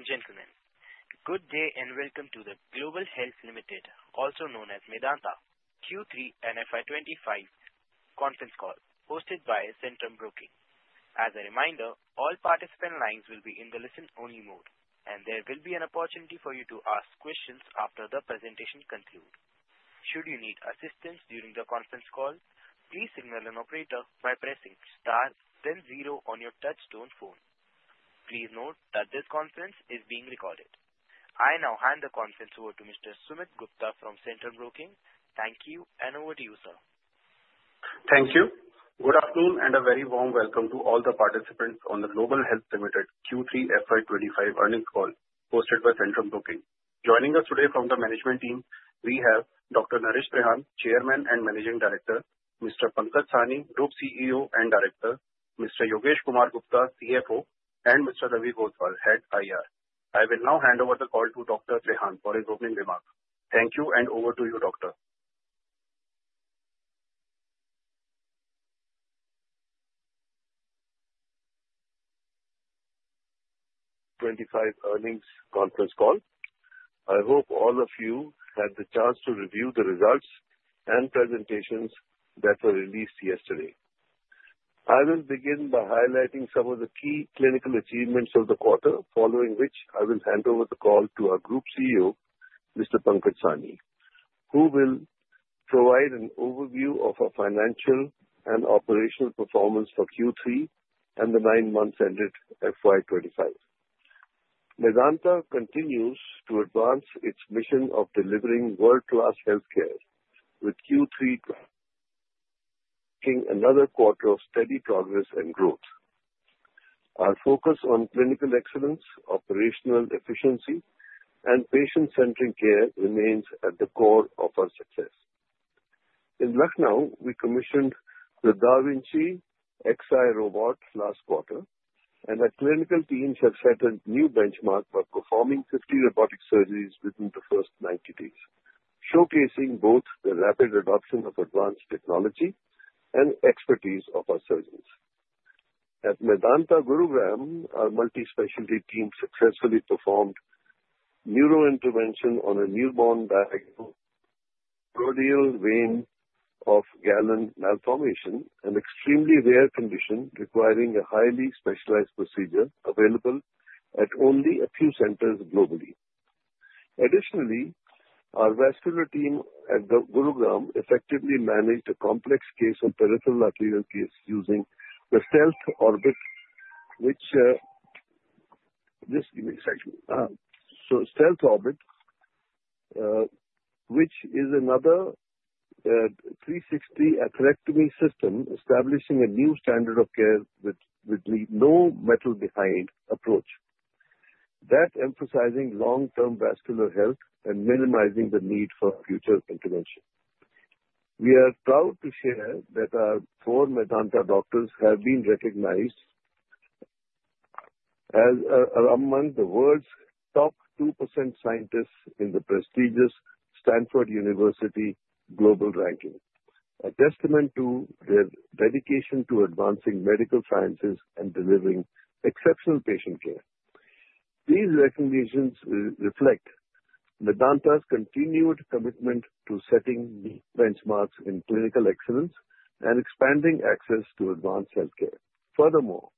Ladies and gentlemen, good day and welcome to the Global Health Limited, also known as Medanta, Q3 FY25 conference call hosted by Centrum Broking. As a reminder, all participant lines will be in the listen-only mode, and there will be an opportunity for you to ask questions after the presentation concludes. Should you need assistance during the conference call, please signal an operator by pressing star, then zero on your touch-tone phone. Please note that this conference is being recorded. I now hand the conference over to Mr. Sumit Gupta from Centrum Broking. Thank you, and over to you, sir. Thank you. Good afternoon and a very warm welcome to all the participants on the Global Health Limited Q3 FY25 earnings call hosted by Centrum Broking. Joining us today from the management team, we have Dr. Naresh Trehan, Chairman and Managing Director; Mr. Pankaj Sahni, Group CEO and Director; Mr. Yogesh Kumar Gupta, CFO; and Mr. Ravi Gothwal, Head IR. I will now hand over the call to Dr. Trehan for his opening remarks. Thank you, and over to you, Doctor. 2025 earnings conference call. I hope all of you had the chance to review the results and presentations that were released yesterday. I will begin by highlighting some of the key clinical achievements of the quarter, following which I will hand over the call to our Group CEO, Mr. Pankaj Sahni, who will provide an overview of our financial and operational performance for Q3 and the nine months ended FY25. Medanta continues to advance its mission of delivering world-class healthcare with Q3 marking another quarter of steady progress and growth. Our focus on clinical excellence, operational efficiency, and patient-centered care remains at the core of our success. In Lucknow, we commissioned the Da Vinci Xi robot last quarter, and our clinical team has set a new benchmark by performing 50 robotic surgeries within the first 90 days, showcasing both the rapid adoption of advanced technology and expertise of our surgeons. At Medanta Gurugram, our multispecialty team successfully performed neurointervention on a newborn diagnosed Vein of Galen malformation, an extremely rare condition requiring a highly specialized procedure available at only a few centers globally. Additionally, our vascular team at the Gurugram effectively managed a complex case of peripheral arterial disease using the Stealth 360, which is another 360 atherectomy system establishing a new standard of care with no metal-defying approach that emphasizes long-term vascular health and minimizes the need for future intervention. We are proud to share that our four Medanta doctors have been recognized as among the world's top 2% scientists in the prestigious Stanford University Global ranking, a testament to their dedication to advancing medical sciences and delivering exceptional patient care. These recognitions reflect Medanta's continued commitment to setting benchmarks in clinical excellence and expanding access to advanced healthcare. Furthermore,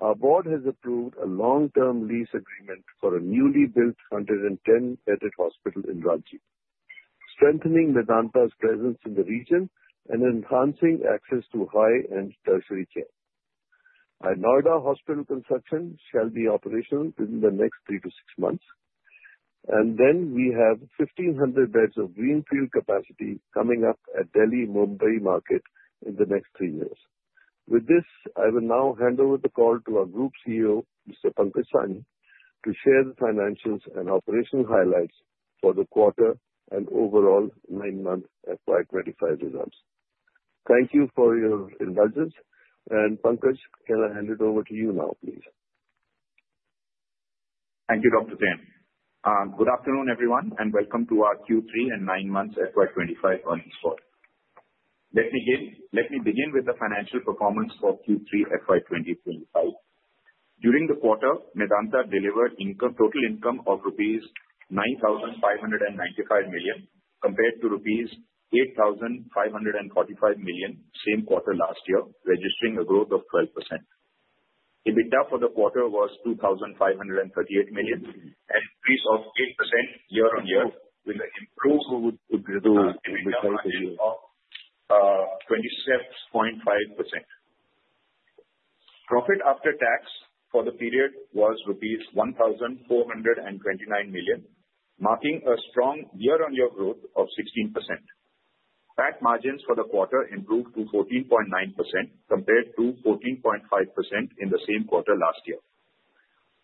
our board has approved a long-term lease agreement for a newly built 110-bedded hospital in Ranchi, strengthening Medanta's presence in the region and enhancing access to high-end tertiary care. Our Noida hospital construction shall be operational within the next three to six months, and then we have 1,500 beds of greenfield capacity coming up at Delhi-Mumbai market in the next three years. With this, I will now hand over the call to our Group CEO, Mr. Pankaj Sahni, to share the financials and operational highlights for the quarter and overall nine-month FY25 results. Thank you for your indulgence, and Pankaj, can I hand it over to you now, please? Thank you, Dr. Trehan. Good afternoon, everyone, and welcome to our Q3 and nine-month FY25 earnings call. Let me begin with the financial performance for Q3 FY2025. During the quarter, Medanta delivered total income of rupees 9,595 million compared to rupees 8,545 million same quarter last year, registering a growth of 12%. EBITDA for the quarter was 2,538 million, an increase of 8% year-on-year, with an improved EBITDA ratio of 26.5%. Profit after tax for the period was rupees 1,429 million, marking a strong year-on-year growth of 16%. PAT margins for the quarter improved to 14.9% compared to 14.5% in the same quarter last year.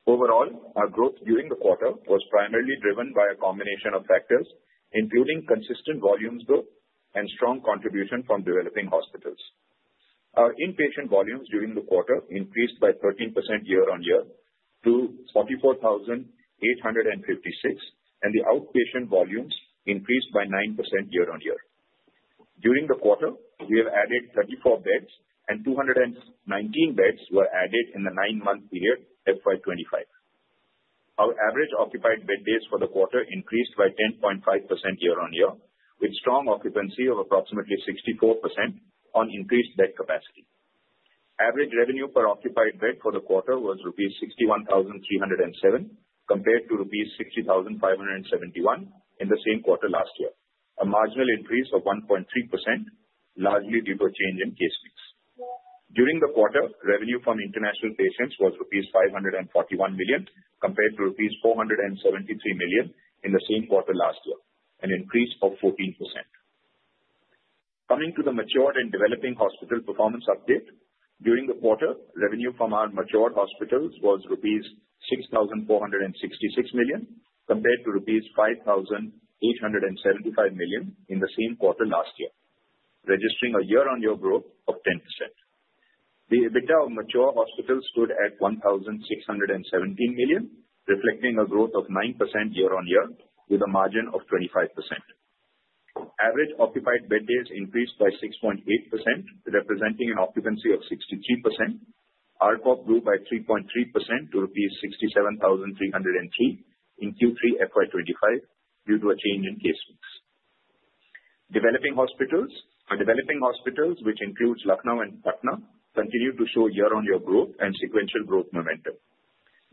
Overall, our growth during the quarter was primarily driven by a combination of factors, including consistent volume growth and strong contribution from developing hospitals. Our inpatient volumes during the quarter increased by 13% year-on-year to 44,856, and the outpatient volumes increased by 9% year-on-year. During the quarter, we have added 34 beds, and 219 beds were added in the nine-month period FY25. Our average occupied bed days for the quarter increased by 10.5% year-on-year, with strong occupancy of approximately 64% on increased bed capacity. Average revenue per occupied bed for the quarter was 61,307 rupees compared to 60,571 in the same quarter last year, a marginal increase of 1.3%, largely due to a change in case mix. During the quarter, revenue from international patients was rupees 541 million compared to rupees 473 million in the same quarter last year, an increase of 14%. Coming to the matured and developing hospital performance update, during the quarter, revenue from our matured hospitals was rupees 6,466 million compared to rupees 5,875 million in the same quarter last year, registering a year-on-year growth of 10%. The EBITDA of mature hospitals stood at 1,617 million, reflecting a growth of 9% year-on-year, with a margin of 25%. Average occupied bed days increased by 6.8%, representing an occupancy of 63%. ARPOB grew by 3.3% to rupees 67,303 in Q3 FY25 due to a change in case mix. Developing hospitals which include Lucknow and Patna continued to show year-on-year growth and sequential growth momentum.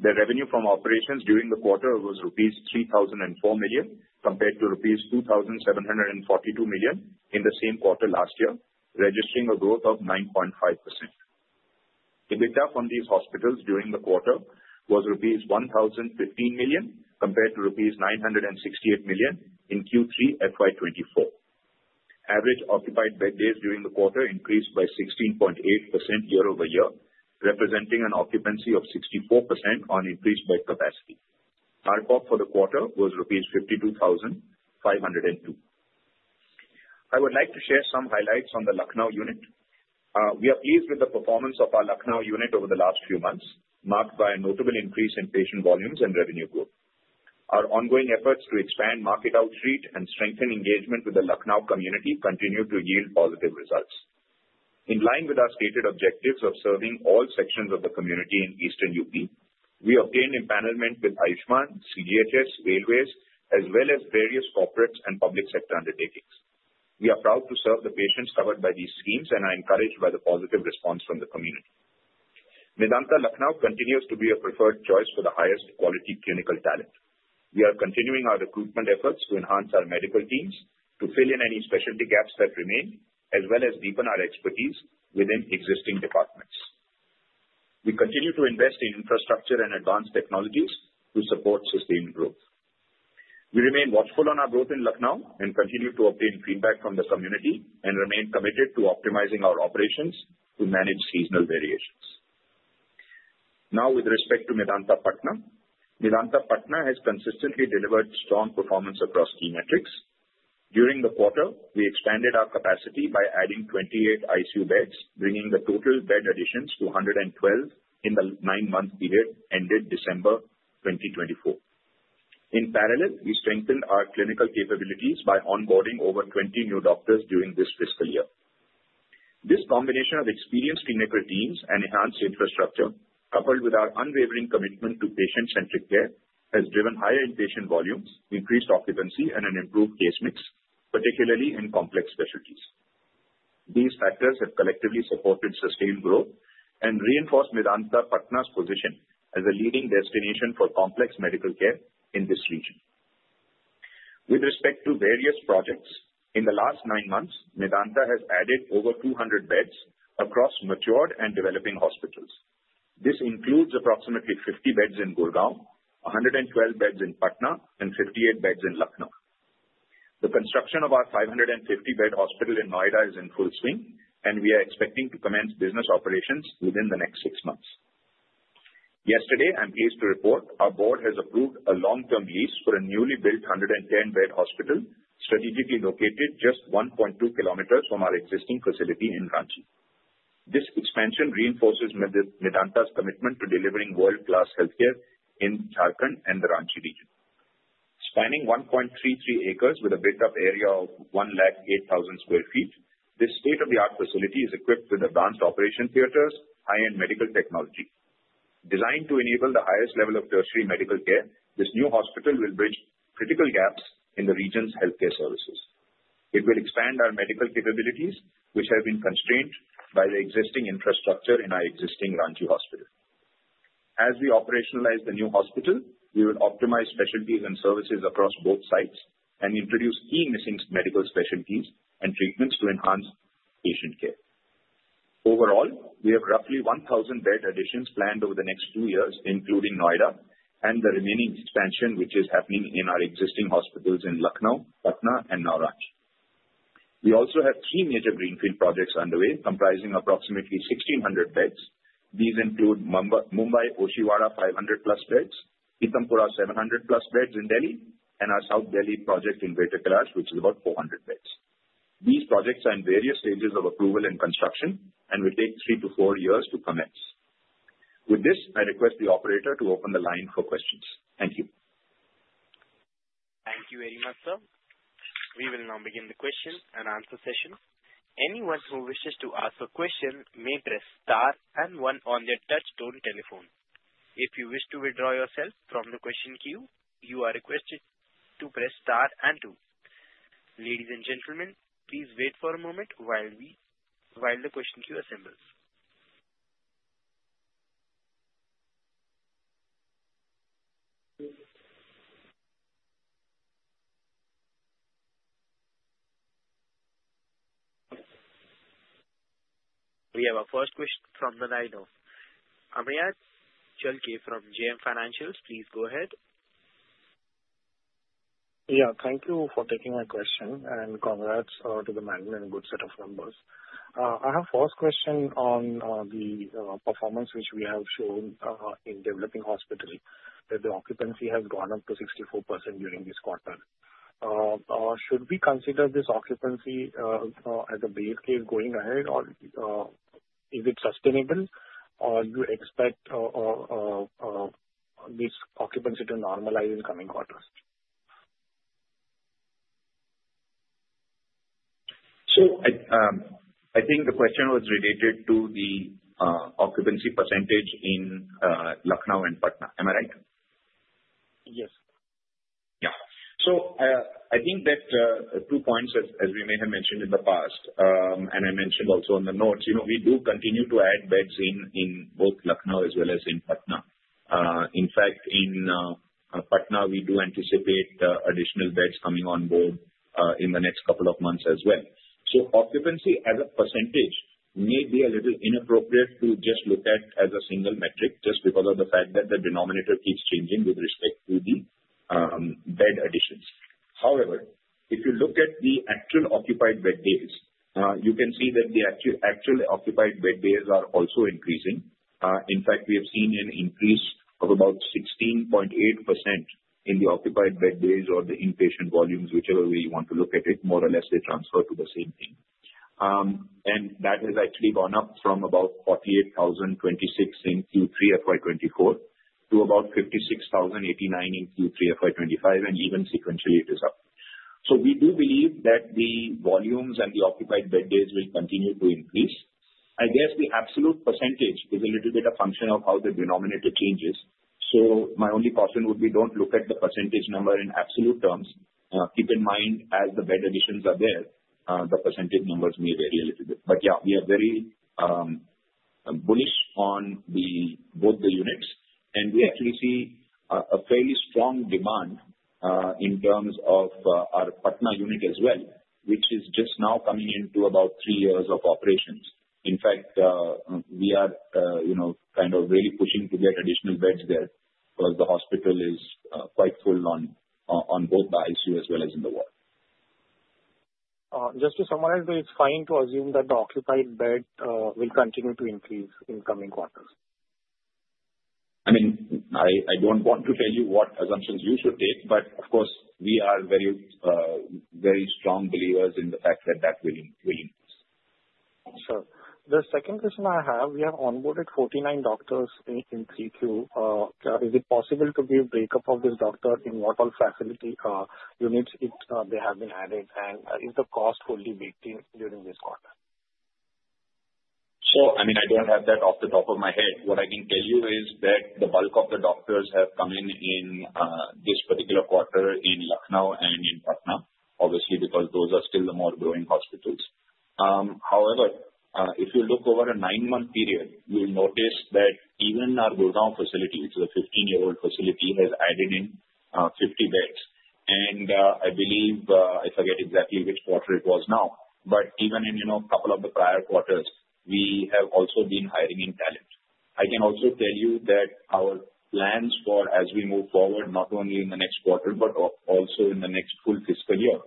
The revenue from operations during the quarter was rupees 3,004 million compared to rupees 2,742 million in the same quarter last year, registering a growth of 9.5%. EBITDA from these hospitals during the quarter was rupees 1,015 million compared to rupees 968 million in Q3 FY24. Average occupied bed days during the quarter increased by 16.8% year-over-year, representing an occupancy of 64% on increased bed capacity. ARPOB for the quarter was rupees 52,502. I would like to share some highlights on the Lucknow unit. We are pleased with the performance of our Lucknow unit over the last few months, marked by a notable increase in patient volumes and revenue growth. Our ongoing efforts to expand market outreach and strengthen engagement with the Lucknow community continue to yield positive results. In line with our stated objectives of serving all sections of the community in Eastern UP, we obtained empanelment with Ayushman Bharat, CGHS, Railways, as well as various corporate and public sector undertakings. We are proud to serve the patients covered by these schemes, and are encouraged by the positive response from the community. Medanta Lucknow continues to be a preferred choice for the highest quality clinical talent. We are continuing our recruitment efforts to enhance our medical teams, to fill in any specialty gaps that remain, as well as deepen our expertise within existing departments. We continue to invest in infrastructure and advanced technologies to support sustained growth. We remain watchful on our growth in Lucknow and continue to obtain feedback from the community and remain committed to optimizing our operations to manage seasonal variations. Now, with respect to Medanta Patna, Medanta Patna has consistently delivered strong performance across key metrics. During the quarter, we expanded our capacity by adding 28 ICU beds, bringing the total bed additions to 112 in the nine-month period ended December 2024. In parallel, we strengthened our clinical capabilities by onboarding over 20 new doctors during this fiscal year. This combination of experienced clinical teams and enhanced infrastructure, coupled with our unwavering commitment to patient-centered care, has driven higher inpatient volumes, increased occupancy, and an improved case mix, particularly in complex specialties. These factors have collectively supported sustained growth and reinforced Medanta Patna's position as a leading destination for complex medical care in this region. With respect to various projects, in the last nine months, Medanta has added over 200 beds across matured and developing hospitals. This includes approximately 50 beds in Gurgaon, 112 beds in Patna, and 58 beds in Lucknow. The construction of our 550-bed hospital in Noida is in full swing, and we are expecting to commence business operations within the next six months. Yesterday, I'm pleased to report our board has approved a long-term lease for a newly built 110-bed hospital, strategically located just 1.2 kilometers from our existing facility in Ranchi. This expansion reinforces Medanta's commitment to delivering world-class healthcare in Jharkhand and the Ranchi region. Spanning 1.33 acres with a built-up area of 108,000 sq ft, this state-of-the-art facility is equipped with advanced operation theaters and high-end medical technology. Designed to enable the highest level of tertiary medical care, this new hospital will bridge critical gaps in the region's healthcare services. It will expand our medical capabilities, which have been constrained by the existing infrastructure in our existing Ranchi hospital. As we operationalize the new hospital, we will optimize specialties and services across both sites and introduce key missing medical specialties and treatments to enhance patient care. Overall, we have roughly 1,000 bed additions planned over the next two years, including Noida and the remaining expansion, which is happening in our existing hospitals in Lucknow, Patna, and new Ranchi. We also have three major greenfield projects underway comprising approximately 1,600 beds. These include Mumbai-Oshiwara 500-plus beds, Pitampura 700-plus beds in Delhi, and our South Delhi project in Greater Kailash, which is about 400 beds. These projects are in various stages of approval and construction and will take three to four years to commence. With this, I request the operator to open the line for questions. Thank you. Thank you very much, sir. We will now begin the question and answer session. Anyone who wishes to ask a question may press star and one on their touch-tone telephone. If you wish to withdraw yourself from the question queue, you are requested to press star and two. Ladies and gentlemen, please wait for a moment while the question queue assembles. We have our first question from the line now. Amey Chalke from JM Financial, please go ahead. Yeah, thank you for taking my question, and congrats to the man and good set of numbers. I have a first question on the performance which we have shown in developing hospitals, that the occupancy has gone up to 64% during this quarter. Should we consider this occupancy as a base case going ahead, or is it sustainable, or do you expect this occupancy to normalize in coming quarters? So I think the question was related to the occupancy percentage in Lucknow and Patna. Am I right? Yes. Yeah. So I think that two points, as we may have mentioned in the past, and I mentioned also in the notes, we do continue to add beds in both Lucknow as well as in Patna. In fact, in Patna, we do anticipate additional beds coming on board in the next couple of months as well. So occupancy as a percentage may be a little inappropriate to just look at as a single metric just because of the fact that the denominator keeps changing with respect to the bed additions. However, if you look at the actual occupied bed days, you can see that the actual occupied bed days are also increasing. In fact, we have seen an increase of about 16.8% in the occupied bed days or the inpatient volumes, whichever way you want to look at it, more or less they transfer to the same thing. That has actually gone up from about 48,026 in Q3 FY24 to about 56,089 in Q3 FY25, and even sequentially it is up. So we do believe that the volumes and the occupied bed days will continue to increase. I guess the absolute percentage is a little bit a function of how the denominator changes. So my only caution would be don't look at the percentage number in absolute terms. Keep in mind, as the bed additions are there, the percentage numbers may vary a little bit. But yeah, we are very bullish on both the units, and we actually see a fairly strong demand in terms of our Patna unit as well, which is just now coming into about three years of operations. In fact, we are kind of really pushing to get additional beds there because the hospital is quite full on both the ICU as well as in the ward. Just to summarize, it's fine to assume that the occupied bed will continue to increase in coming quarters? I mean, I don't want to tell you what assumptions you should take, but of course, we are very strong believers in the fact that that will increase. Sir, the second question I have, we have onboarded 49 doctors in Q3. Is it possible to give breakup of this doctor in what all facility units they have been added, and is the cost fully baked in during this quarter? I mean, I don't have that off the top of my head. What I can tell you is that the bulk of the doctors have come in this particular quarter in Lucknow and in Patna, obviously, because those are still the more growing hospitals. However, if you look over a nine-month period, you'll notice that even our Gurgaon facility, which is a 15-year-old facility, has added in 50 beds. I believe, I forget exactly which quarter it was now, but even in a couple of the prior quarters, we have also been hiring in talent. I can also tell you that our plans for as we move forward, not only in the next quarter, but also in the next full fiscal year,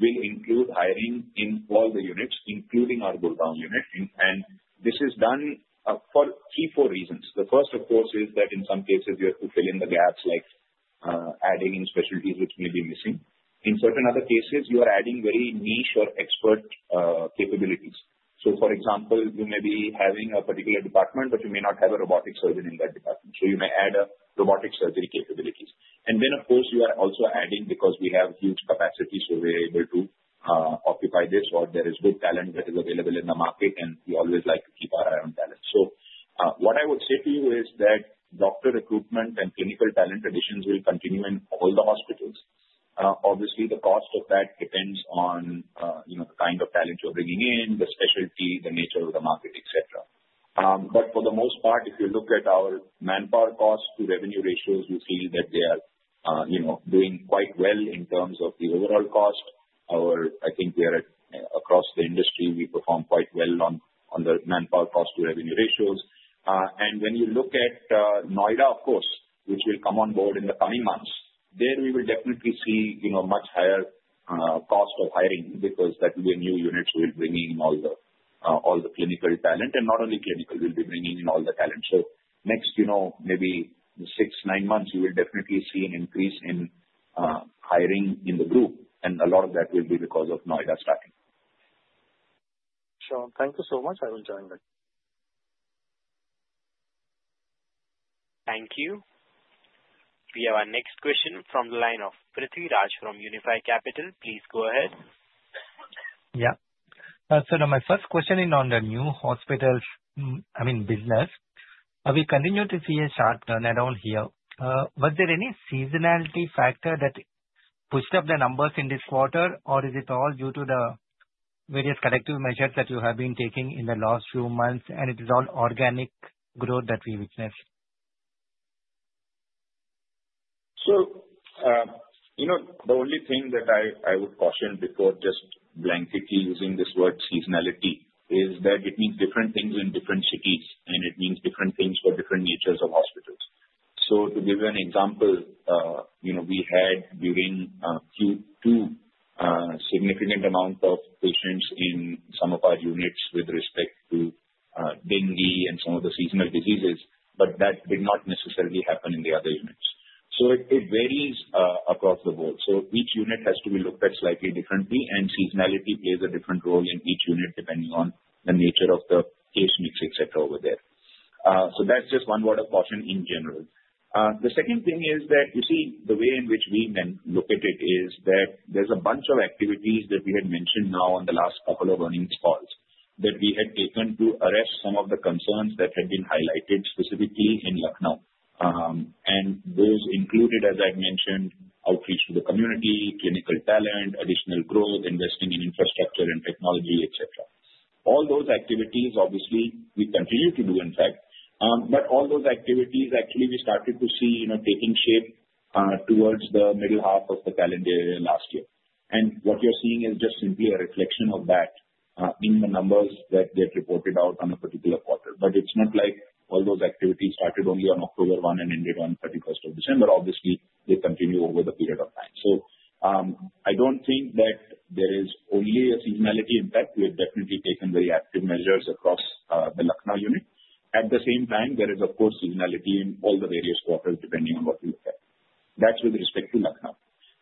will include hiring in all the units, including our Gurgaon unit. This is done for key four reasons. The first, of course, is that in some cases, you have to fill in the gaps like adding in specialties which may be missing. In certain other cases, you are adding very niche or expert capabilities. So, for example, you may be having a particular department, but you may not have a robotic surgeon in that department. So you may add a robotic surgery capability. And then, of course, you are also adding because we have huge capacity, so we are able to occupy this or there is good talent that is available in the market, and we always like to keep our eye on talent. So what I would say to you is that doctor recruitment and clinical talent additions will continue in all the hospitals. Obviously, the cost of that depends on the kind of talent you're bringing in, the specialty, the nature of the market, etc. But for the most part, if you look at our manpower cost to revenue ratios, you'll see that they are doing quite well in terms of the overall cost. I think we are across the industry, we perform quite well on the manpower cost to revenue ratios. And when you look at Noida, of course, which will come on board in the coming months, there we will definitely see a much higher cost of hiring because that will be a new unit who will bring in all the clinical talent, and not only clinical, we'll be bringing in all the talent. So next, maybe six, nine months, you will definitely see an increase in hiring in the group, and a lot of that will be because of Noida starting. Sure. Thank you so much, I will join that. Thank you. We have our next question from the line of Prithvi Raj from Unified Capital. Please go ahead. Yeah. So my first question is on the new hospitals, I mean, business. We continue to see a sharp turnaround here. Was there any seasonality factor that pushed up the numbers in this quarter, or is it all due to the various corrective measures that you have been taking in the last few months, and it is all organic growth that we witness? So the only thing that I would caution before just blanketly using this word seasonality is that it means different things in different cities, and it means different things for different natures of hospitals. So to give you an example, we had during Q2 a significant amount of patients in some of our units with respect to dengue and some of the seasonal diseases, but that did not necessarily happen in the other units. So it varies across the board. So each unit has to be looked at slightly differently, and seasonality plays a different role in each unit depending on the nature of the case mix, etc. over there. So that's just one word of caution in general. The second thing is that you see the way in which we then look at it is that there's a bunch of activities that we had mentioned now on the last couple of earnings calls that we had taken to address some of the concerns that had been highlighted specifically in Lucknow. And those included, as I've mentioned, outreach to the community, clinical talent, additional growth, investing in infrastructure and technology, etc. All those activities, obviously, we continue to do, in fact. But all those activities, actually, we started to see taking shape towards the middle half of the calendar year last year. And what you're seeing is just simply a reflection of that in the numbers that get reported out on a particular quarter. But it's not like all those activities started only on October 1 and ended on 31st of December. Obviously, they continue over the period of time. So I don't think that there is only a seasonality impact. We have definitely taken very active measures across the Lucknow unit. At the same time, there is, of course, seasonality in all the various quarters depending on what you look at. That's with respect to Lucknow.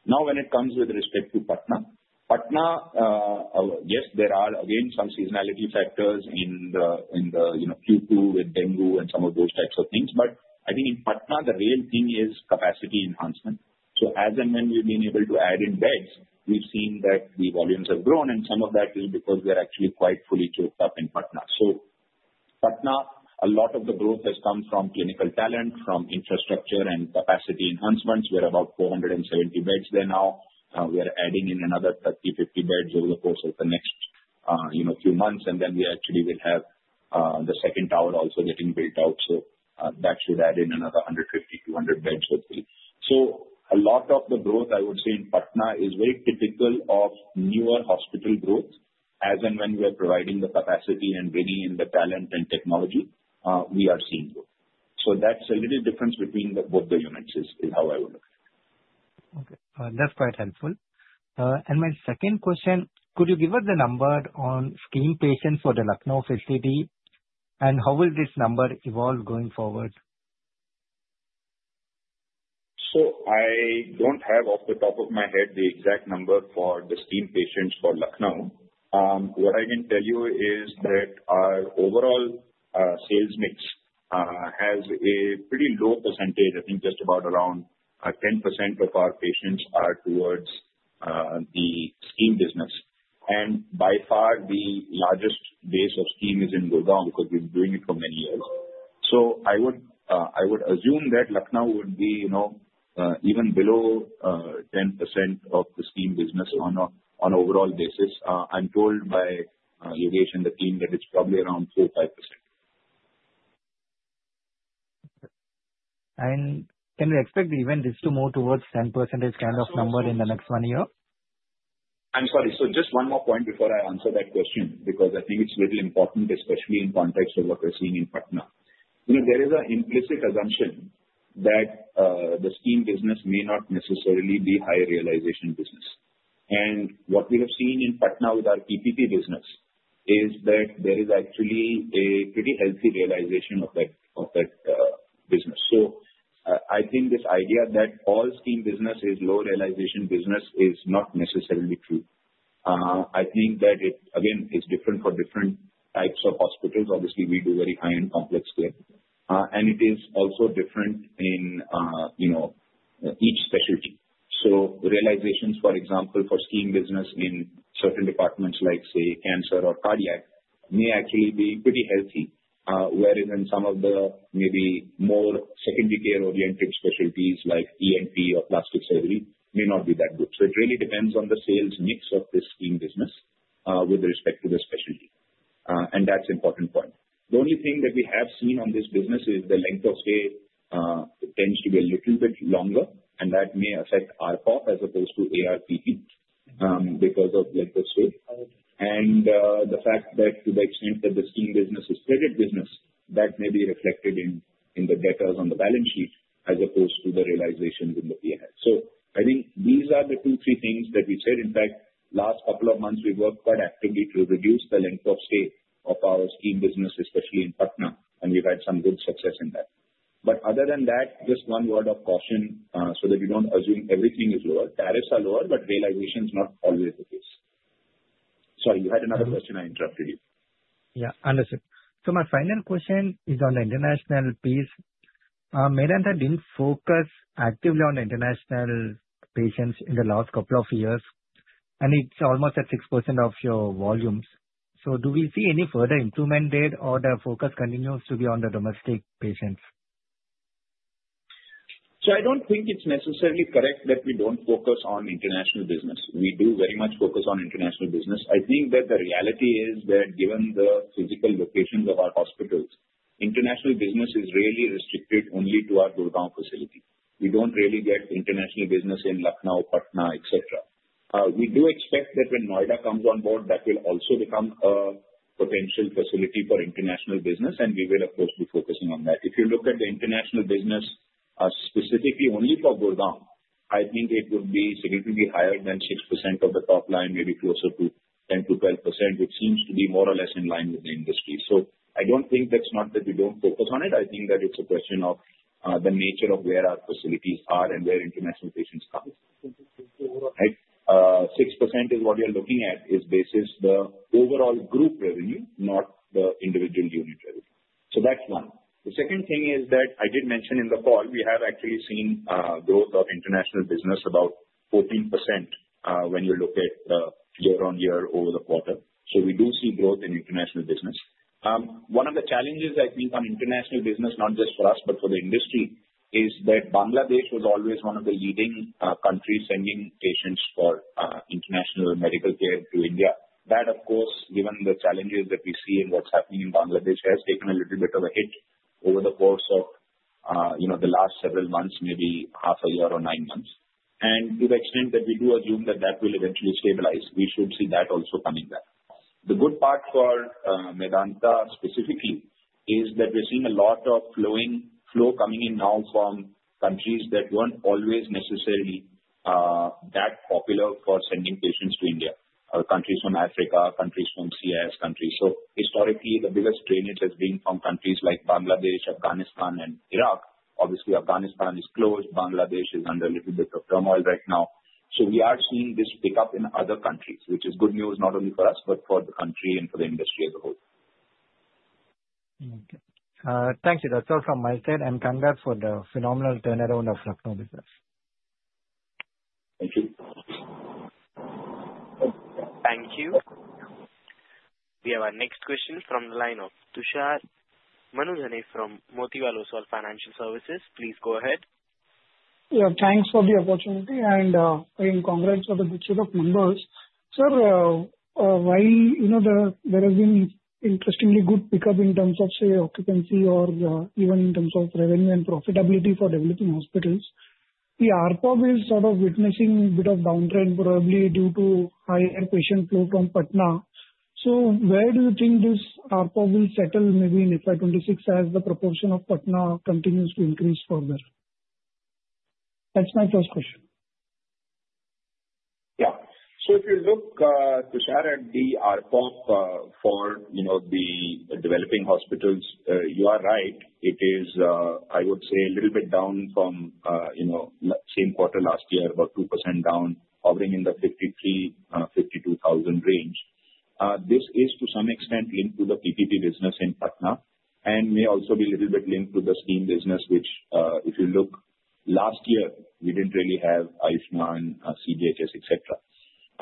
Now, when it comes with respect to Patna, Patna, yes, there are again some seasonality factors in the Q2 with dengue and some of those types of things. But I think in Patna, the real thing is capacity enhancement. So as and when we've been able to add in beds, we've seen that the volumes have grown, and some of that is because we are actually quite fully choked up in Patna. So Patna, a lot of the growth has come from clinical talent, from infrastructure and capacity enhancements. We are about 470 beds there now. We are adding in another 30-50 beds over the course of the next few months, and then we actually will have the second tower also getting built out. That should add in another 150-200 beds hopefully. A lot of the growth, I would say, in Patna is very typical of newer hospital growth. As and when we are providing the capacity and bringing in the talent and technology, we are seeing growth. That's a little difference between both the units is how I would look at it. Okay. That's quite helpful, and my second question, could you give us the number on scheme patients for the Lucknow facility, and how will this number evolve going forward? So I don't have off the top of my head the exact number for the scheme patients for Lucknow. What I can tell you is that our overall sales mix has a pretty low percentage. I think just about around 10% of our patients are towards the scheme business. And by far, the largest base of scheme is in Gurgaon because we've been doing it for many years. So I would assume that Lucknow would be even below 10% of the scheme business on an overall basis. I'm told by Yogesh and the team that it's probably around 4%-5%. Can we expect the event is to move towards 10% kind of number in the next one year? I'm sorry. So just one more point before I answer that question because I think it's really important, especially in context of what we're seeing in Patna. There is an implicit assumption that the scheme business may not necessarily be high realization business. And what we have seen in Patna with our PPP business is that there is actually a pretty healthy realization of that business. So I think this idea that all scheme business is low realization business is not necessarily true. I think that it, again, is different for different types of hospitals. Obviously, we do very high-end complex care. And it is also different in each specialty. So realizations, for example, for scheme business in certain departments like, say, cancer or cardiac may actually be pretty healthy, whereas in some of the maybe more secondary care-oriented specialties like ENT or plastic surgery may not be that good. So it really depends on the sales mix of this scheme business with respect to the specialty. And that's an important point. The only thing that we have seen on this business is the length of stay. It tends to be a little bit longer, and that may affect RPOP as opposed to ARPP because of length of stay. And the fact that to the extent that the scheme business is credit business, that may be reflected in the debtors on the balance sheet as opposed to the realizations in the P&L. So I think these are the two, three things that we said. In fact, last couple of months, we've worked quite actively to reduce the length of stay of our scheme business, especially in Patna, and we've had some good success in that. But other than that, just one word of caution so that you don't assume everything is lower. Tariffs are lower, but realization is not always the case. Sorry, you had another question. I interrupted you. Yeah. Understood. So my final question is on the international piece. Medanta didn't focus actively on international patients in the last couple of years, and it's almost at 6% of your volumes. So do we see any further improvement there, or the focus continues to be on the domestic patients? So I don't think it's necessarily correct that we don't focus on international business. We do very much focus on international business. I think that the reality is that given the physical locations of our hospitals, international business is really restricted only to our Gurgaon facility. We don't really get international business in Lucknow, Patna, etc. We do expect that when Noida comes on board, that will also become a potential facility for international business, and we will, of course, be focusing on that. If you look at the international business specifically only for Gurgaon, I think it would be significantly higher than 6% of the top line, maybe closer to 10%-12%, which seems to be more or less in line with the industry. So I don't think that's not that we don't focus on it. I think that it's a question of the nature of where our facilities are and where international patients come. 6% is what you're looking at is based on the overall group revenue, not the individual unit revenue. So that's one. The second thing is that I did mention in the call, we have actually seen growth of international business about 14% when you look at year on year over the quarter. So we do see growth in international business. One of the challenges I think on international business, not just for us, but for the industry, is that Bangladesh was always one of the leading countries sending patients for international medical care to India. That, of course, given the challenges that we see in what's happening in Bangladesh, has taken a little bit of a hit over the course of the last several months, maybe half a year or nine months. And to the extent that we do assume that that will eventually stabilize, we should see that also coming back. The good part for Medanta specifically is that we're seeing a lot of flow coming in now from countries that weren't always necessarily that popular for sending patients to India, countries from Africa, countries from CIS countries. So historically, the biggest drainage has been from countries like Bangladesh, Afghanistan, and Iraq. Obviously, Afghanistan is closed. Bangladesh is under a little bit of turmoil right now. So we are seeing this pickup in other countries, which is good news not only for us, but for the country and for the industry as a whole. Okay. Thank you. That's all from my side, and congrats for the phenomenal turnaround of Lucknow business. Thank you. Thank you. We have our next question from the line of Tushar Manudhane from Motilal Oswal Financial Services. Please go ahead. Yeah. Thanks for the opportunity, and congrats for the good set of numbers. Sir, while there has been interestingly good pickup in terms of, say, occupancy or even in terms of revenue and profitability for developing hospitals, the ARPOB is sort of witnessing a bit of downtrend probably due to higher patient flow from Patna. So where do you think this ARPOB will settle maybe in FY26 as the proportion of Patna continues to increase further? That's my first question. Yeah. So if you look, Tushar, at the ARPOB for the developing hospitals, you are right. It is, I would say, a little bit down from the same quarter last year, about 2% down, hovering in the 53,000-52,000 range. This is to some extent linked to the PPP business in Patna and may also be a little bit linked to the scheme business, which, if you look, last year, we didn't really have Ayushman, CGHS,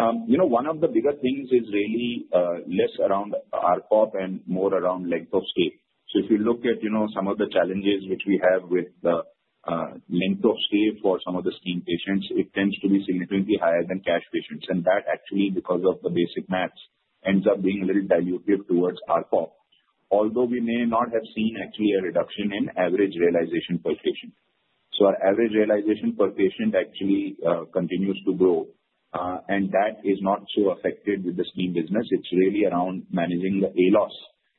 etc. One of the bigger things is really less around ARPOB and more around length of stay. So if you look at some of the challenges which we have with the length of stay for some of the scheme patients, it tends to be significantly higher than cash patients. And that, actually, because of the basic math, ends up being a little diluted towards RPOP, although we may not have seen actually a reduction in average realization per patient. So our average realization per patient actually continues to grow, and that is not so affected with the scheme business. It's really around managing the ALOS,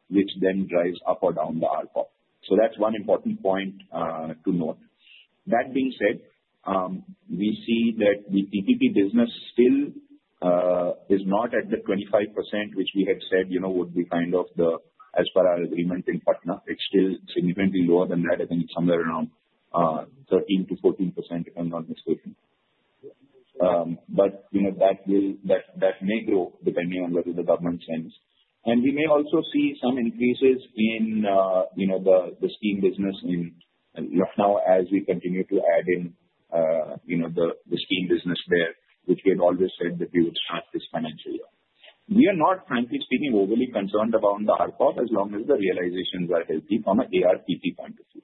which then drives up or down the RPOP. So that's one important point to note. That being said, we see that the PPP business still is not at the 25%, which we had said would be kind of the, as per our agreement in Patna. It's still significantly lower than that. I think it's somewhere around 13%-14%, if I'm not mistaken. But that may grow depending on whether the government sends. We may also see some increases in the scheme business in Lucknow as we continue to add in the scheme business there, which we had always said that we would start this financial year. We are not, frankly speaking, overly concerned about the RPOP as long as the realizations are healthy from an ARPP point of view.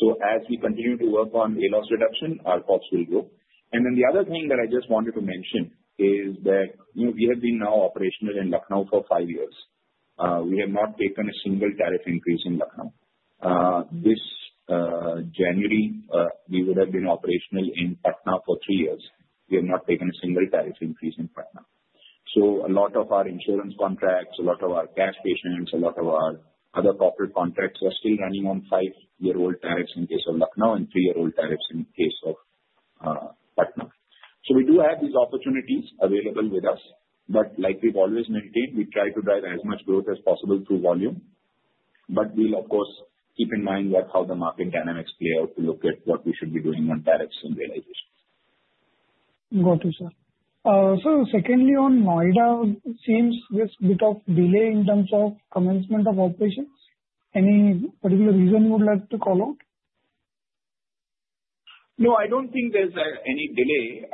So as we continue to work on ALOS reduction, RPOPs will grow. And then the other thing that I just wanted to mention is that we have been now operational in Lucknow for five years. We have not taken a single tariff increase in Lucknow. This January, we would have been operational in Patna for three years. We have not taken a single tariff increase in Patna. So a lot of our insurance contracts, a lot of our cash patients, a lot of our other corporate contracts are still running on five-year-old tariffs in case of Lucknow and three-year-old tariffs in case of Patna. So we do have these opportunities available with us, but like we've always maintained, we try to drive as much growth as possible through volume. But we'll, of course, keep in mind how the market dynamics play out to look at what we should be doing on tariffs and realizations. Got it, sir. So secondly, on Noida, seems there's a bit of delay in terms of commencement of operations. Any particular reason you would like to call out? No, I don't think there's any delay.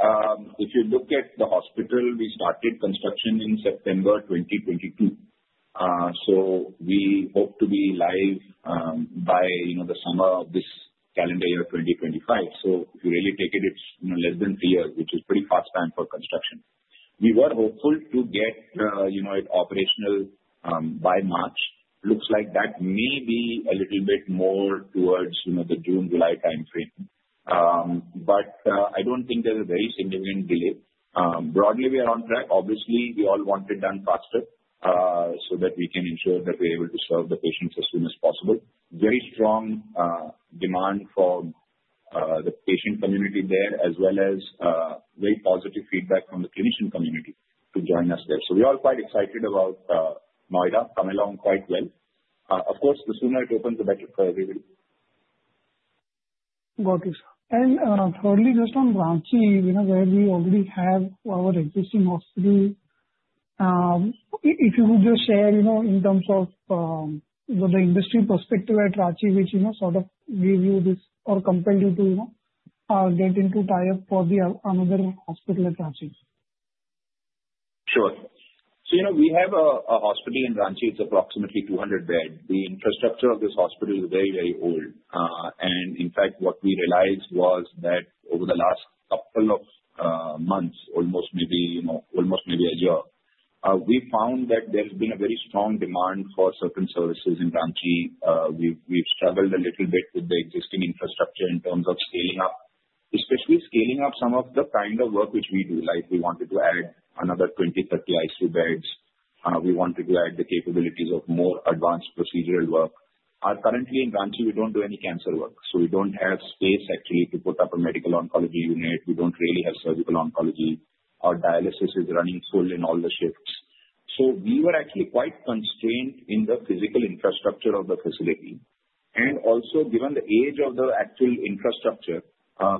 If you look at the hospital, we started construction in September 2022. So we hope to be live by the summer of this calendar year, 2025. So if you really take it, it's less than three years, which is pretty fast time for construction. We were hopeful to get it operational by March. Looks like that may be a little bit more towards the June-July time frame. But I don't think there's a very significant delay. Broadly, we are on track. Obviously, we all want it done faster so that we can ensure that we're able to serve the patients as soon as possible. Very strong demand for the patient community there, as well as very positive feedback from the clinician community to join us there. So we are all quite excited about Noida coming along quite well. Of course, the sooner it opens, the better for everybody. Got it, sir. And thirdly, just on Ranchi, where we already have our existing hospital, if you would just share in terms of the industry perspective at Ranchi, which sort of gives you this or compel you to get into tie-up for another hospital at Ranchi? Sure. We have a hospital in Ranchi. It's approximately 200-bed. The infrastructure of this hospital is very, very old. In fact, what we realized was that over the last couple of months, almost maybe a year, we found that there has been a very strong demand for certain services in Ranchi. We've struggled a little bit with the existing infrastructure in terms of scaling up, especially scaling up some of the kind of work which we do. We wanted to add another 20-30 ICU beds. We wanted to add the capabilities of more advanced procedural work. Currently, in Ranchi, we don't do any cancer work. We don't have space, actually, to put up a medical oncology unit. We don't really have surgical oncology. Our dialysis is running full in all the shifts. We were actually quite constrained in the physical infrastructure of the facility. Also, given the age of the actual infrastructure,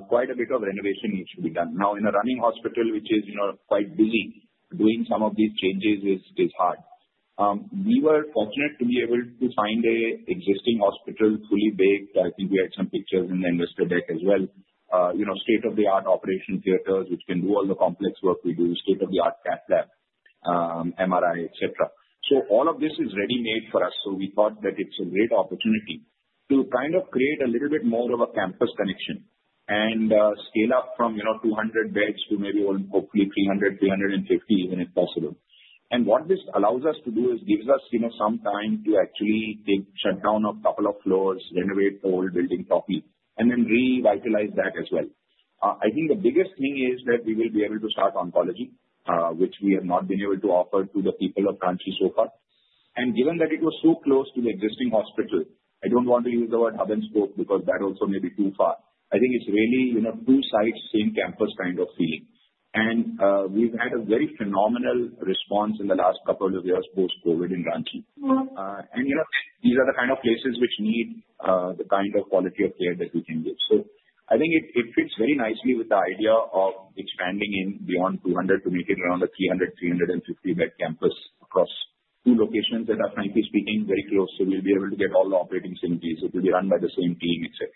quite a bit of renovation needs to be done. Now, in a running hospital, which is quite busy, doing some of these changes is hard. We were fortunate to be able to find an existing hospital fully baked. I think we had some pictures in the investor deck as well. State-of-the-art operation theaters, which can do all the complex work we do, state-of-the-art Cath Lab, MRI, etc. All of this is ready-made for us. We thought that it's a great opportunity to kind of create a little bit more of a campus connection and scale up from 200 beds to maybe hopefully 300, 350, when it's possible. What this allows us to do is gives us some time to actually take shutdown of a couple of floors, renovate the old building properly, and then revitalize that as well. I think the biggest thing is that we will be able to start oncology, which we have not been able to offer to the people of Ranchi so far. Given that it was so close to the existing hospital, I don't want to use the word hub and spoke because that also may be too far. I think it's really two sites, same campus kind of feeling. We've had a very phenomenal response in the last couple of years post-COVID in Ranchi. These are the kind of places which need the kind of quality of care that we can give. It fits very nicely with the idea of expanding it beyond 200 to make it around a 300-350-bed campus across two locations that are, frankly speaking, very close. We'll be able to get all the operating synergies. It will be run by the same team, etc.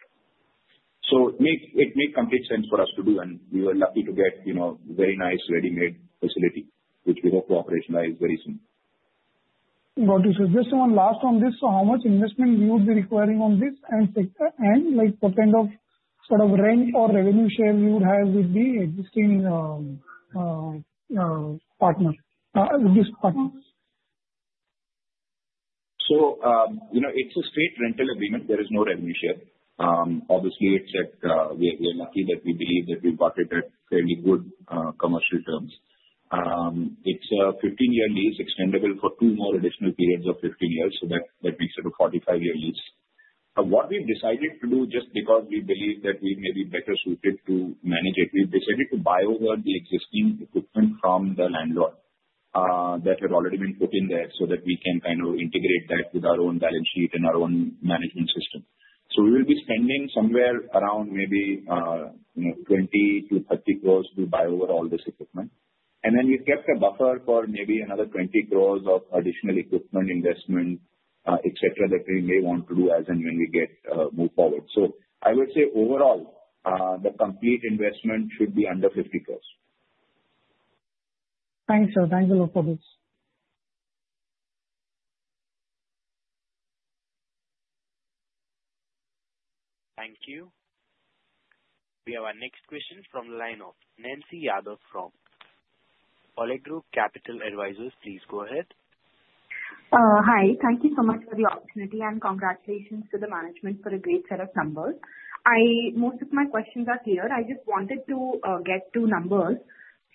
So it made complete sense for us to do, and we were lucky to get a very nice ready-made facility, which we hope to operationalize very soon. Got it. So just one last on this. So how much investment you would be requiring on this? And what kind of sort of rent or revenue share you would have with the existing partner, with this partner? It's a straight rental agreement. There is no revenue share. Obviously, we're lucky that we believe that we got it at fairly good commercial terms. It's a 15-year lease, extendable for two more additional periods of 15 years. So that makes it a 45-year lease. What we've decided to do, just because we believe that we may be better suited to manage it, we've decided to buy over the existing equipment from the landlord that had already been put in there so that we can kind of integrate that with our own balance sheet and our own management system. So we will be spending somewhere around maybe 20- 30 crores to buy over all this equipment. And then we've kept a buffer for maybe another 20 crores of additional equipment investment, etc., that we may want to do as and when we get moved forward. So I would say, overall, the complete investment should be under 50 crores. Thanks, sir. Thanks a lot for this. Thank you. We have our next question from the line of Nancy Yadav from Allegro Capital Advisors. Please go ahead. Hi. Thank you so much for the opportunity and congratulations to the management for a great set of numbers. Most of my questions are clear. I just wanted to get two numbers.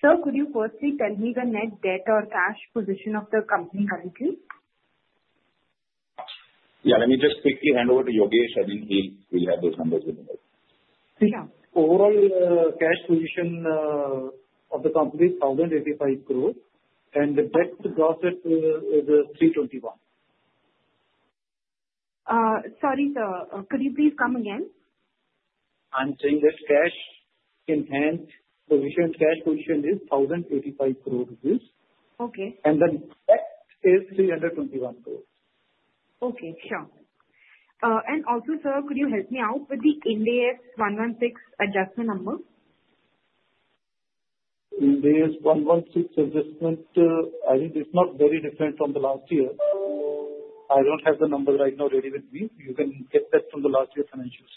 Sir, could you firstly tell me the net debt or cash position of the company currently? Yeah. Let me just quickly hand over to Yogesh. I think he'll have those numbers within a bit. Yeah. Overall cash position of the company is 1,085 crores, and the debt to profit is 321. Sorry, sir. Could you please come again? I'm saying that cash and cash equivalents position is 1,085 crore rupees. Okay. The debt is 321 crore. Okay. Sure, and also, sir, could you help me out with the Ind AS 116 adjustment number? AS 116 adjustment, I think it's not very different from the last year. I don't have the number right now ready with me. You can get that from the last year's financials.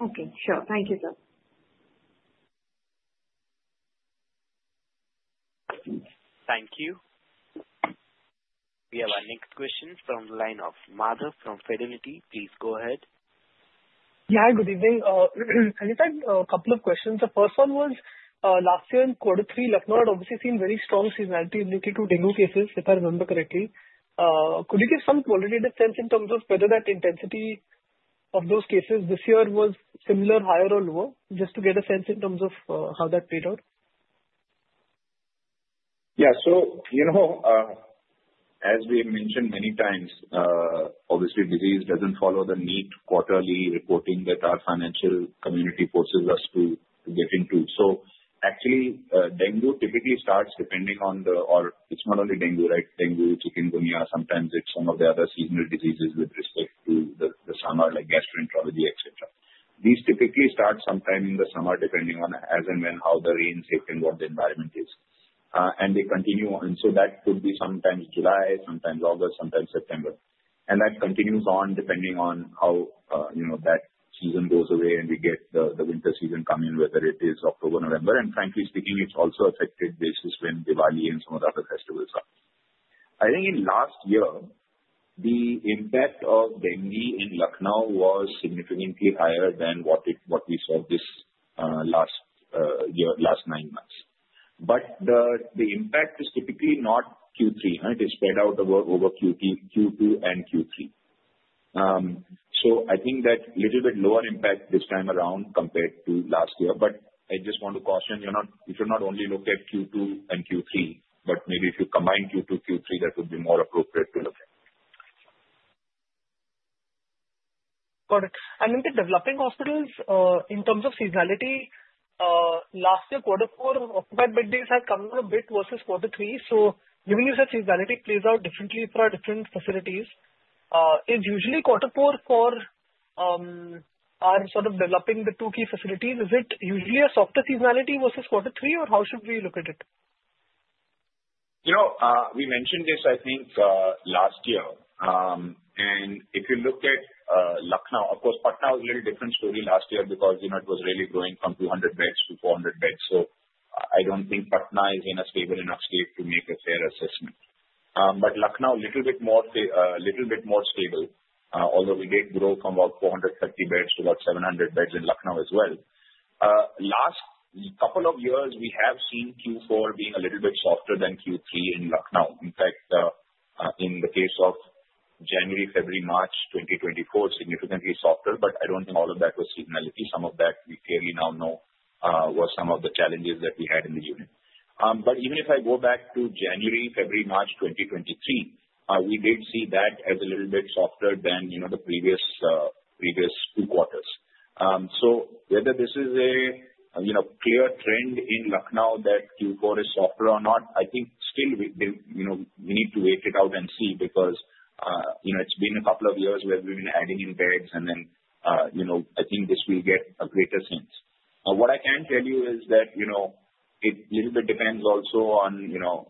Okay. Sure. Thank you, sir. Thank you. We have our next question from the line of Madhav from Fidelity. Please go ahead. Yeah. Good evening. I just had a couple of questions. The first one was, last year in quarter three, Lucknow had obviously seen very strong seasonality related to dengue cases, if I remember correctly. Could you give some qualitative sense in terms of whether that intensity of those cases this year was similar, higher, or lower? Just to get a sense in terms of how that played out. Yeah. So as we mentioned many times, obviously, disease doesn't follow the neat quarterly reporting that our financial community forces us to get into. So actually, dengue typically starts depending on the, or it's not only dengue, right? Dengue, chikungunya, sometimes it's some of the other seasonal diseases with respect to the summer, like gastroenterology, etc. These typically start sometime in the summer, depending on as and when how the rains hit and what the environment is, and they continue on, so that could be sometimes July, sometimes August, sometimes September, and that continues on depending on how that season goes away and we get the winter season come in, whether it is October, November, and frankly speaking, it's also affected based on when Diwali and some of the other festivals are. I think in last year, the impact of dengue in Lucknow was significantly higher than what we saw this last year, last nine months. But the impact is typically not Q3. It is spread out over Q2 and Q3. So I think that a little bit lower impact this time around compared to last year. But I just want to caution, if you not only look at Q2 and Q3, but maybe if you combine Q2, Q3, that would be more appropriate to look at. Got it. And in the developing hospitals, in terms of seasonality, last year, quarter four occupied bed days had come down a bit versus quarter three. So, as you said, seasonality plays out differently for our different facilities. Is it usually quarter four for our sort of developing the two key facilities, is it usually a softer seasonality versus quarter three, or how should we look at it? We mentioned this, I think, last year. And if you look at Lucknow, of course, Patna was a little different story last year because it was really growing from 200 beds to 400 beds. So I don't think Patna is in a stable enough state to make a fair assessment. But Lucknow, a little bit more stable, although we did grow from about 430 beds to about 700 beds in Lucknow as well. Last couple of years, we have seen Q4 being a little bit softer than Q3 in Lucknow. In fact, in the case of January, February, March 2024, significantly softer. But I don't think all of that was seasonality. Some of that we clearly now know were some of the challenges that we had in the unit. But even if I go back to January, February, March 2023, we did see that as a little bit softer than the previous two quarters. So whether this is a clear trend in Lucknow that Q4 is softer or not, I think still we need to wait it out and see because it's been a couple of years where we've been adding in beds, and then I think this will get a greater sense. What I can tell you is that it's a little bit depends also on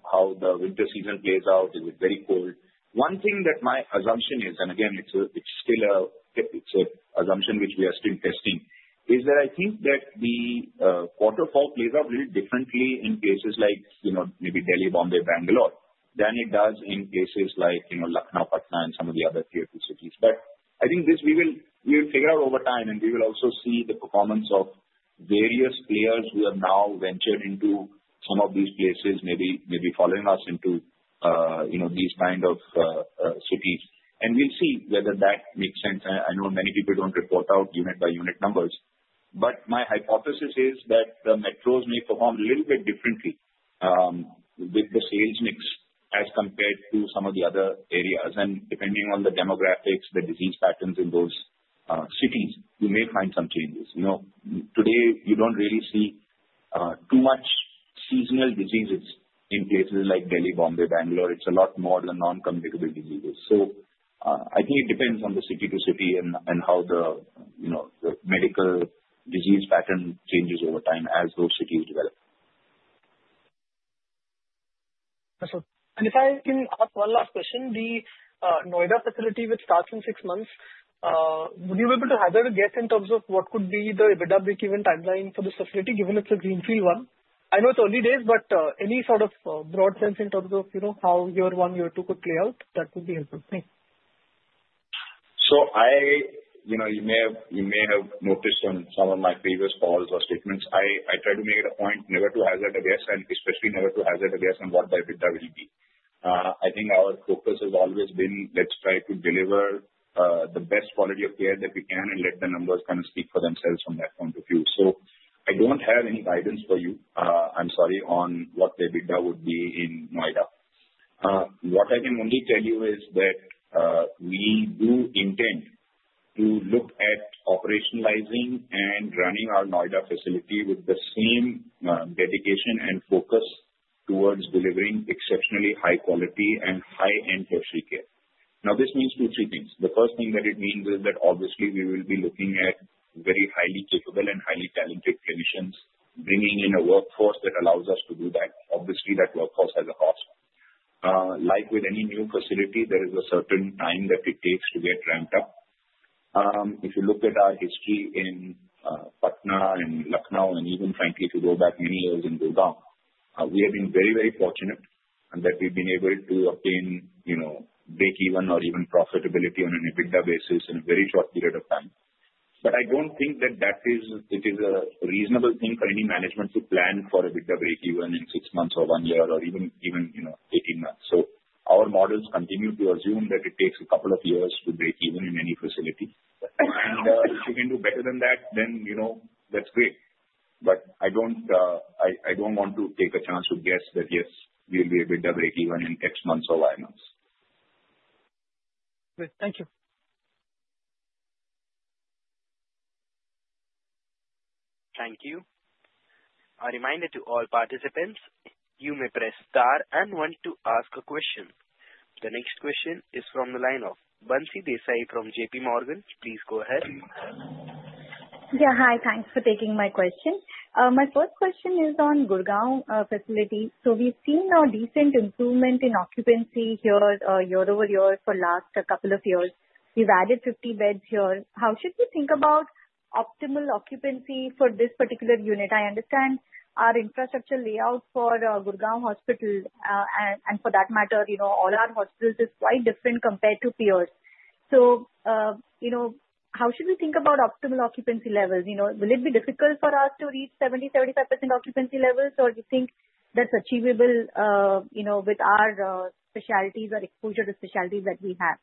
how the winter season plays out. Is it very cold? One thing that my assumption is, and again, it's still an assumption which we are still testing, is that I think that the quarter four plays out a little differently in cases like maybe Delhi, Bombay, Bangalore than it does in cases like Lucknow, Patna, and some of the other tier cities. But I think this we will figure out over time, and we will also see the performance of various players who have now ventured into some of these places, maybe following us into these kind of cities. And we'll see whether that makes sense. I know many people don't report out unit-by-unit numbers, but my hypothesis is that the metros may perform a little bit differently with the case mix as compared to some of the other areas. And depending on the demographics, the disease patterns in those cities, you may find some changes. Today, you don't really see too much seasonal diseases in places like Delhi, Bombay, Bangalore. It's a lot more the non-communicable diseases. So I think it depends on the city to city and how the medical disease pattern changes over time as those cities develop. Excellent, and if I can ask one last question, the Noida facility which starts in six months, would you be able to have a guess in terms of what could be the bed break-even timeline for this facility, given it's a greenfield one? I know it's early days, but any sort of broad sense in terms of how year one, year two could play out, that would be helpful. So you may have noticed on some of my previous calls or statements, I try to make it a point never to hazard a guess, and especially never to hazard a guess on what the ARPOB will be. I think our focus has always been, let's try to deliver the best quality of care that we can and let the numbers kind of speak for themselves from that point of view. So I don't have any guidance for you, I'm sorry, on what the ARPOB would be in Noida. What I can only tell you is that we do intend to look at operationalizing and running our Noida facility with the same dedication and focus towards delivering exceptionally high quality and high-end tertiary care. Now, this means two, three things. The first thing that it means is that obviously we will be looking at very highly capable and highly talented clinicians bringing in a workforce that allows us to do that. Obviously, that workforce has a cost. Like with any new facility, there is a certain time that it takes to get ramped up. If you look at our history in Patna and Lucknow, and even frankly, if you go back many years in Gurgaon, we have been very, very fortunate in that we've been able to obtain break-even or even profitability on an EBITDA basis in a very short period of time. But I don't think that that is a reasonable thing for any management to plan for EBITDA break-even in six months or one year or even 18 months. So our models continue to assume that it takes a couple of years to break even in any facility. And if you can do better than that, then that's great. But I don't want to take a chance to guess that, yes, we'll be EBITDA break-even in X months or Y months. Great. Thank you. Thank you. A reminder to all participants, you may press star one to ask a question. The next question is from the line of Bansi Desai from JPMorgan. Please go ahead. Yeah. Hi. Thanks for taking my question. My first question is on Gurugram facility. So we've seen a decent improvement in occupancy here year over year for the last couple of years. We've added 50 beds here. How should we think about optimal occupancy for this particular unit? I understand our infrastructure layout for Gurugram Hospital, and for that matter, all our hospitals is quite different compared to peers. So how should we think about optimal occupancy levels? Will it be difficult for us to reach 70%-75% occupancy levels, or do you think that's achievable with our specialties or exposure to specialties that we have?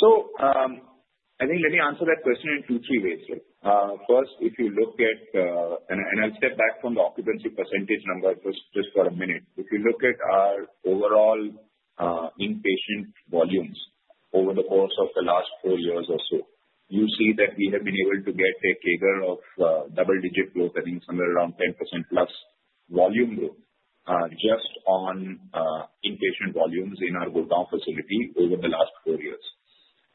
So I think let me answer that question in two, three ways. First, if you look at, and I'll step back from the occupancy percentage number just for a minute. If you look at our overall inpatient volumes over the course of the last four years or so, you see that we have been able to get a CAGR of double-digit growth, I think somewhere around 10% plus volume growth just on inpatient volumes in our Gurugram facility over the last four years.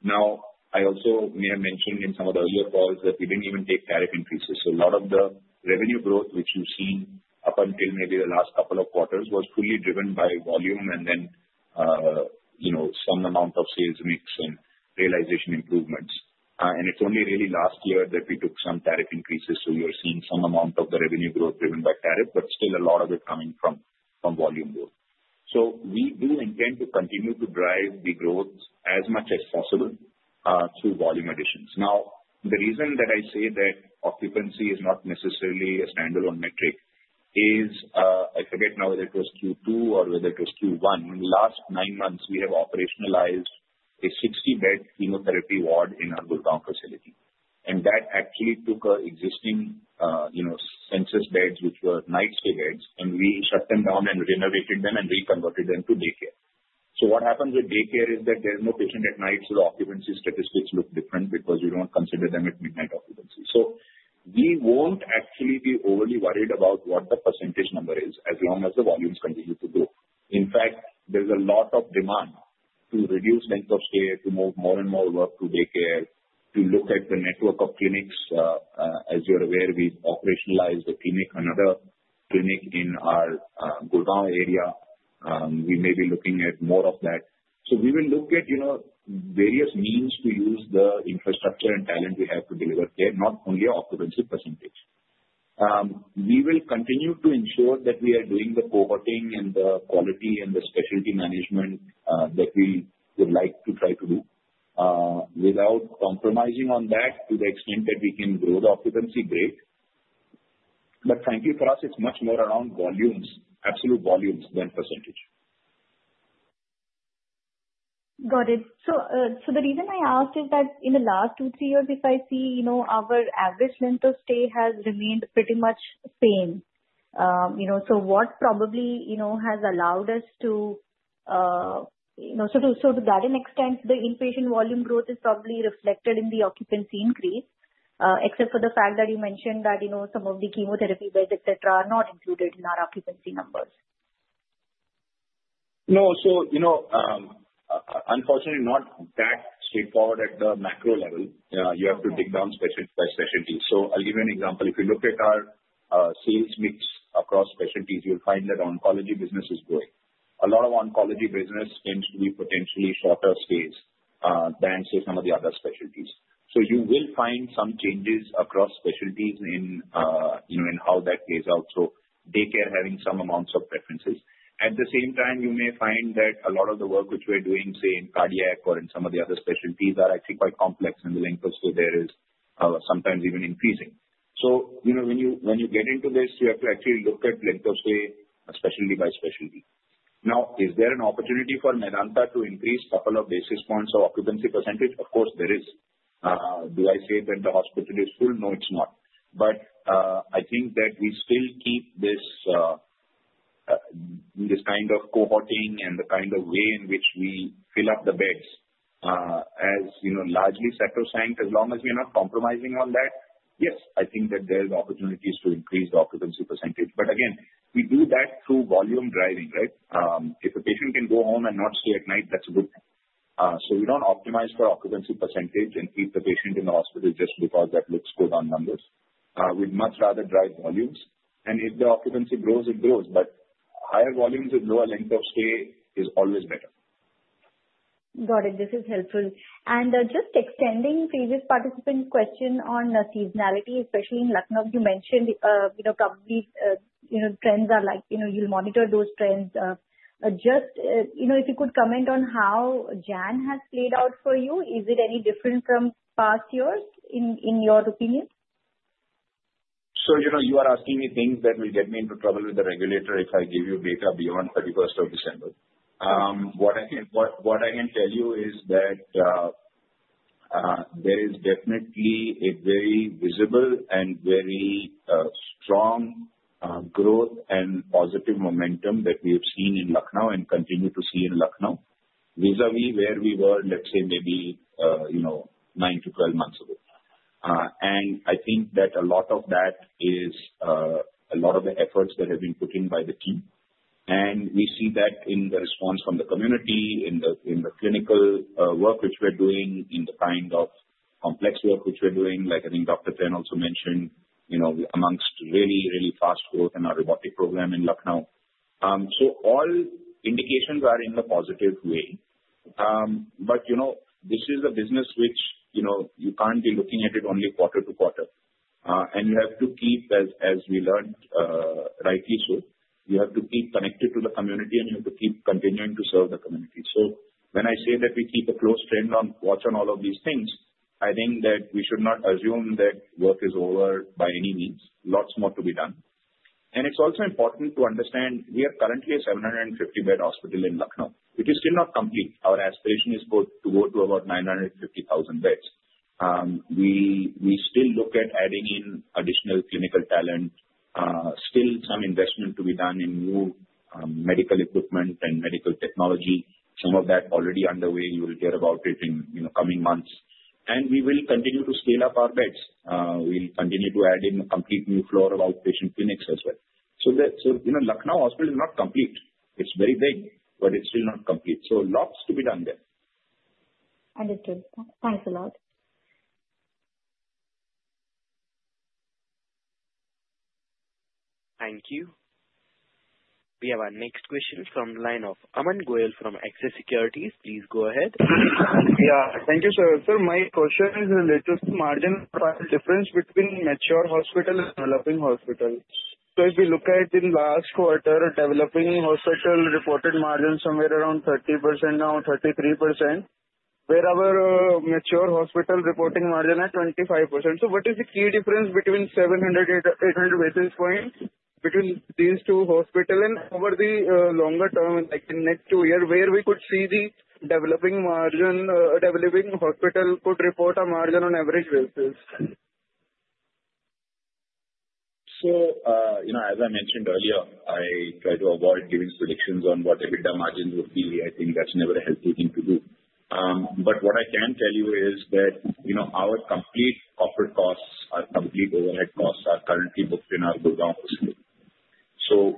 Now, I also may have mentioned in some of the earlier calls that we didn't even take tariff increases. So a lot of the revenue growth, which you've seen up until maybe the last couple of quarters, was fully driven by volume and then some amount of sales mix and realization improvements. And it's only really last year that we took some tariff increases. So we are seeing some amount of the revenue growth driven by tariff, but still a lot of it coming from volume growth. So we do intend to continue to drive the growth as much as possible through volume additions. Now, the reason that I say that occupancy is not necessarily a standalone metric is I forget now whether it was Q2 or whether it was Q1. In the last nine months, we have operationalized a 60-bed chemotherapy ward in our Gurgaon facility. And that actually took our existing census beds, which were night stay beds, and we shut them down and renovated them and reconverted them to daycare. So what happens with daycare is that there's no patient at night, so the occupancy statistics look different because you don't consider them at midnight occupancy. So we won't actually be overly worried about what the percentage number is as long as the volumes continue to grow. In fact, there's a lot of demand to reduce length of stay, to move more and more work to daycare, to look at the network of clinics. As you're aware, we've operationalized a clinic, another clinic in our Gurgaon area. We may be looking at more of that. So we will look at various means to use the infrastructure and talent we have to deliver care, not only occupancy percentage. We will continue to ensure that we are doing the cohorting and the quality and the specialty management that we would like to try to do without compromising on that to the extent that we can grow the occupancy rate. But frankly, for us, it's much more around volumes, absolute volumes than percentage. Got it. So the reason I asked is that in the last two, three years, if I see our average length of stay has remained pretty much same. So what probably has allowed us to—so to that extent, the inpatient volume growth is probably reflected in the occupancy increase, except for the fact that you mentioned that some of the chemotherapy beds, etc., are not included in our occupancy numbers. No. So unfortunately, not that straightforward at the macro level. You have to break down specialty by specialty. So I'll give you an example. If you look at our sales mix across specialties, you'll find that oncology business is growing. A lot of oncology business tends to be potentially shorter stays than, say, some of the other specialties. So you will find some changes across specialties in how that plays out. So daycare having some amounts of preferences. At the same time, you may find that a lot of the work which we're doing, say, in cardiac or in some of the other specialties, are actually quite complex, and the length of stay there is sometimes even increasing. So when you get into this, you have to actually look at length of stay specialty by specialty. Now, is there an opportunity for Medanta to increase a couple of basis points of occupancy percentage? Of course, there is. Do I say that the hospital is full? No, it's not. But I think that we still keep this kind of cohorting and the kind of way in which we fill up the beds as largely set as long as we're not compromising on that, yes, I think that there are opportunities to increase the occupancy percentage. But again, we do that through volume driving, right? If a patient can go home and not stay at night, that's a good thing. So we don't optimize for occupancy percentage and keep the patient in the hospital just because that looks good on numbers. We'd much rather drive volumes. And if the occupancy grows, it grows. But higher volumes with lower length of stay is always better. Got it. This is helpful, and just extending previous participant question on seasonality, especially in Lucknow, you mentioned probably trends are like you'll monitor those trends. Just if you could comment on how January has played out for you, is it any different from past years in your opinion? You are asking me things that will get me into trouble with the regulator if I give you data beyond 31st of December. What I can tell you is that there is definitely a very visible and very strong growth and positive momentum that we have seen in Lucknow and continue to see in Lucknow vis-à-vis where we were, let's say, maybe nine to 12 months ago. And I think that a lot of that is a lot of the efforts that have been put in by the team. And we see that in the response from the community, in the clinical work which we're doing, in the kind of complex work which we're doing. Like I think Dr. Trehan also mentioned amongst really, really fast growth in our robotic program in Lucknow. So all indications are in the positive way. This is a business which you can't be looking at it only quarter to quarter. You have to keep, as we learned rightly so, you have to keep connected to the community, and you have to keep continuing to serve the community. When I say that we keep a close watch on all of these things, I think that we should not assume that work is over by any means. Lots more to be done. It's also important to understand we are currently a 750-bed hospital in Lucknow. It is still not complete. Our aspiration is to go to about 950 beds. We still look at adding in additional clinical talent. Still some investment to be done in new medical equipment and medical technology. Some of that already underway. You will hear about it in coming months. We will continue to scale up our beds. We'll continue to add in a complete new floor of outpatient clinics as well. So Lucknow Hospital is not complete. It's very big, but it's still not complete. So lots to be done there. Understood. Thanks a lot. Thank you. We have our next question from the line of Aman Goyal from Axis Securities. Please go ahead. Yeah. Thank you, sir. Sir, my question is in the latest margin profile difference between mature hospital and developing hospital. So if we look at in last quarter, developing hospital reported margin somewhere around 30% now, 33%, where our mature hospital reporting margin at 25%. So what is the key difference between 700-800 basis points between these two hospitals and over the longer term, like in the next two years, where we could see the developing hospital could report a margin on average basis? As I mentioned earlier, I try to avoid giving predictions on what the EBITDA margins would be. I think that's never a healthy thing to do. But what I can tell you is that our complete corporate costs, our complete overhead costs are currently booked in our Gurgaon hospital.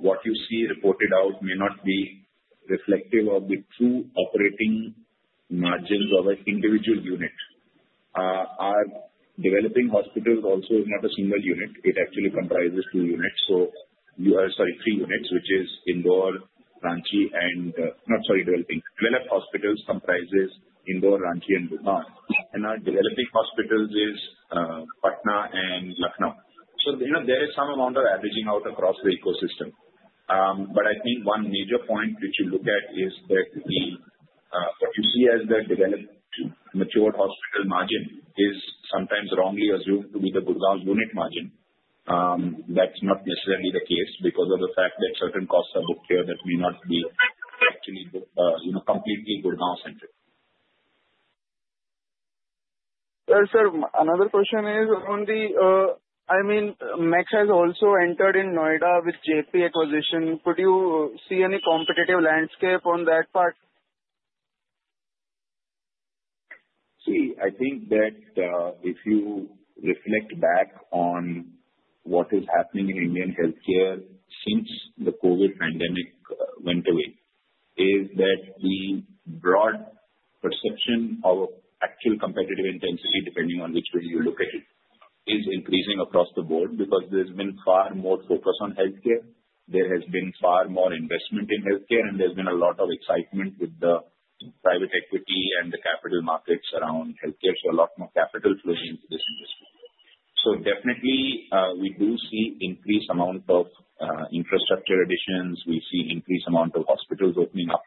What you see reported out may not be reflective of the true operating margins of an individual unit. Our developed hospitals also are not a single unit. It actually comprises two units. Sorry, three units, which is Indore, Ranchi, and Gurgaon. Developed hospitals comprises Indore, Ranchi, and Gurgaon. And our developing hospitals is Patna and Lucknow. There is some amount of averaging out across the ecosystem. But I think one major point which you look at is that what you see as the developed mature hospital margin is sometimes wrongly assumed to be the Gurgaon unit margin. That's not necessarily the case because of the fact that certain costs are booked here that may not be actually completely Gurgaon-centric. Sir, another question is on the, I mean, Max has also entered in Noida with Jaypee acquisition. Could you see any competitive landscape on that part? See, I think that if you reflect back on what is happening in Indian healthcare since the COVID pandemic went away, is that the broad perception of actual competitive intensity, depending on which way you look at it, is increasing across the board because there's been far more focus on healthcare. There has been far more investment in healthcare, and there's been a lot of excitement with the private equity and the capital markets around healthcare. So a lot more capital flows into this industry. So definitely, we do see increased amount of infrastructure additions. We see increased amount of hospitals opening up.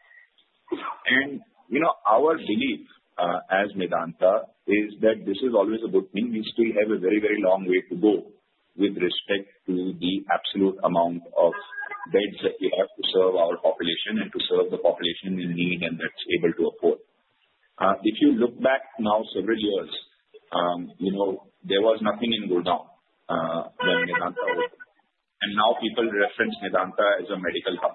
And our belief as Medanta is that this is always a good thing. We still have a very, very long way to go with respect to the absolute amount of beds that we have to serve our population and to serve the population in need and that's able to afford. If you look back now several years, there was nothing in Gurgaon when Medanta opened, and now people reference Medanta as a medical hub,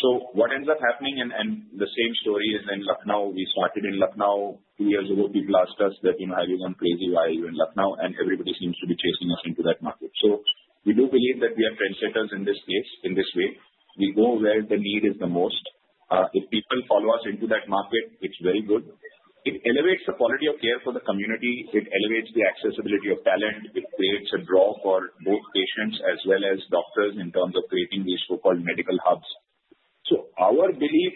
so what ends up happening, and the same story is in Lucknow. We started in Lucknow. Two years ago, people asked us that, "Have you gone crazy? Why are you in Lucknow?" and everybody seems to be chasing us into that market, so we do believe that we are trendsetters in this way. We go where the need is the most. If people follow us into that market, it's very good. It elevates the quality of care for the community. It elevates the accessibility of talent. It creates a draw for both patients as well as doctors in terms of creating these so-called medical hubs. So our belief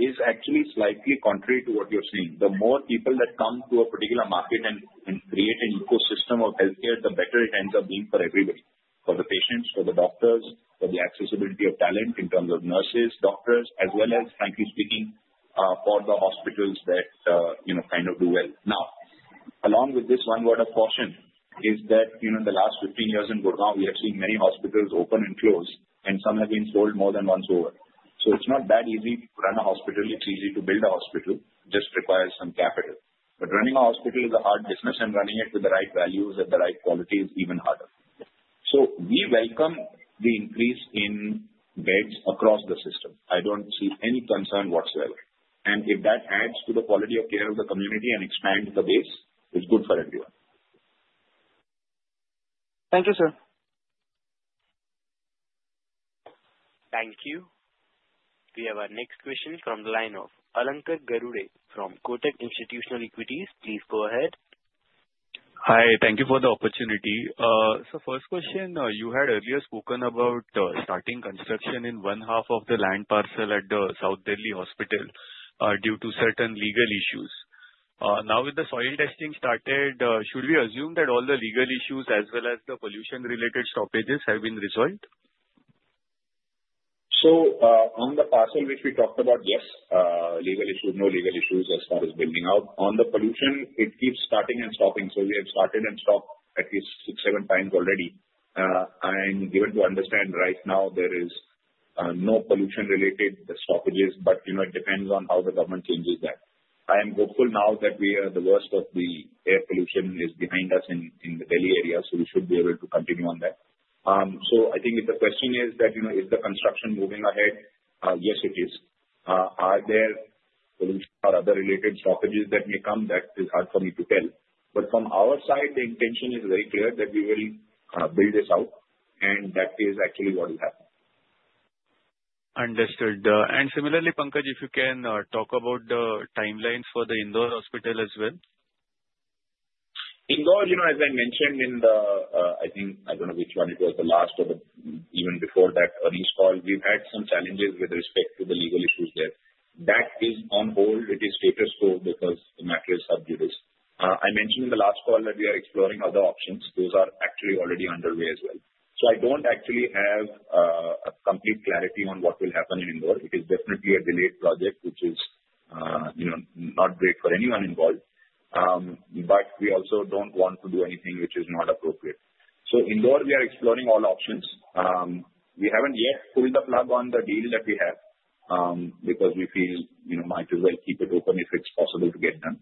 is actually slightly contrary to what you're saying. The more people that come to a particular market and create an ecosystem of healthcare, the better it ends up being for everybody: for the patients, for the doctors, for the accessibility of talent in terms of nurses, doctors, as well as, frankly speaking, for the hospitals that kind of do well. Now, along with this, one word of caution is that in the last 15 years in Gurgaon, we have seen many hospitals open and close, and some have been sold more than once over. So it's not that easy to run a hospital. It's easy to build a hospital. It just requires some capital. But running a hospital is a hard business, and running it with the right values and the right qualities is even harder, so we welcome the increase in beds across the system. I don't see any concern whatsoever, and if that adds to the quality of care of the community and expands the base, it's good for everyone. Thank you, sir. Thank you. We have our next question from the line of Alankar Garude from Kotak Institutional Equities. Please go ahead. Hi. Thank you for the opportunity. So first question, you had earlier spoken about starting construction in one half of the land parcel at the South Delhi Hospital due to certain legal issues. Now, with the soil testing started, should we assume that all the legal issues as well as the pollution-related stoppages have been resolved? So on the parcel which we talked about, yes, legal issues, no legal issues as far as building out. On the pollution, it keeps starting and stopping. So we have started and stopped at least six, seven times already. And given to understand, right now, there is no pollution-related stoppages, but it depends on how the government changes that. I am hopeful now that the worst of the air pollution is behind us in the Delhi area, so we should be able to continue on that. So I think if the question is that is the construction moving ahead? Yes, it is. Are there other related stoppages that may come? That is hard for me to tell. But from our side, the intention is very clear that we will build this out, and that is actually what will happen. Understood. And similarly, Pankaj, if you can talk about the timelines for the Indore Hospital as well? Indore, as I mentioned in the, I think, I don't know which one it was, the last or even before that earliest call, we've had some challenges with respect to the legal issues there. That is on hold. It is status quo because the matter is sub judice. I mentioned in the last call that we are exploring other options. Those are actually already underway as well. So I don't actually have complete clarity on what will happen in Indore. It is definitely a delayed project, which is not great for anyone involved. But we also don't want to do anything which is not appropriate. So Indore, we are exploring all options. We haven't yet pulled the plug on the deal that we have because we feel might as well keep it open if it's possible to get done.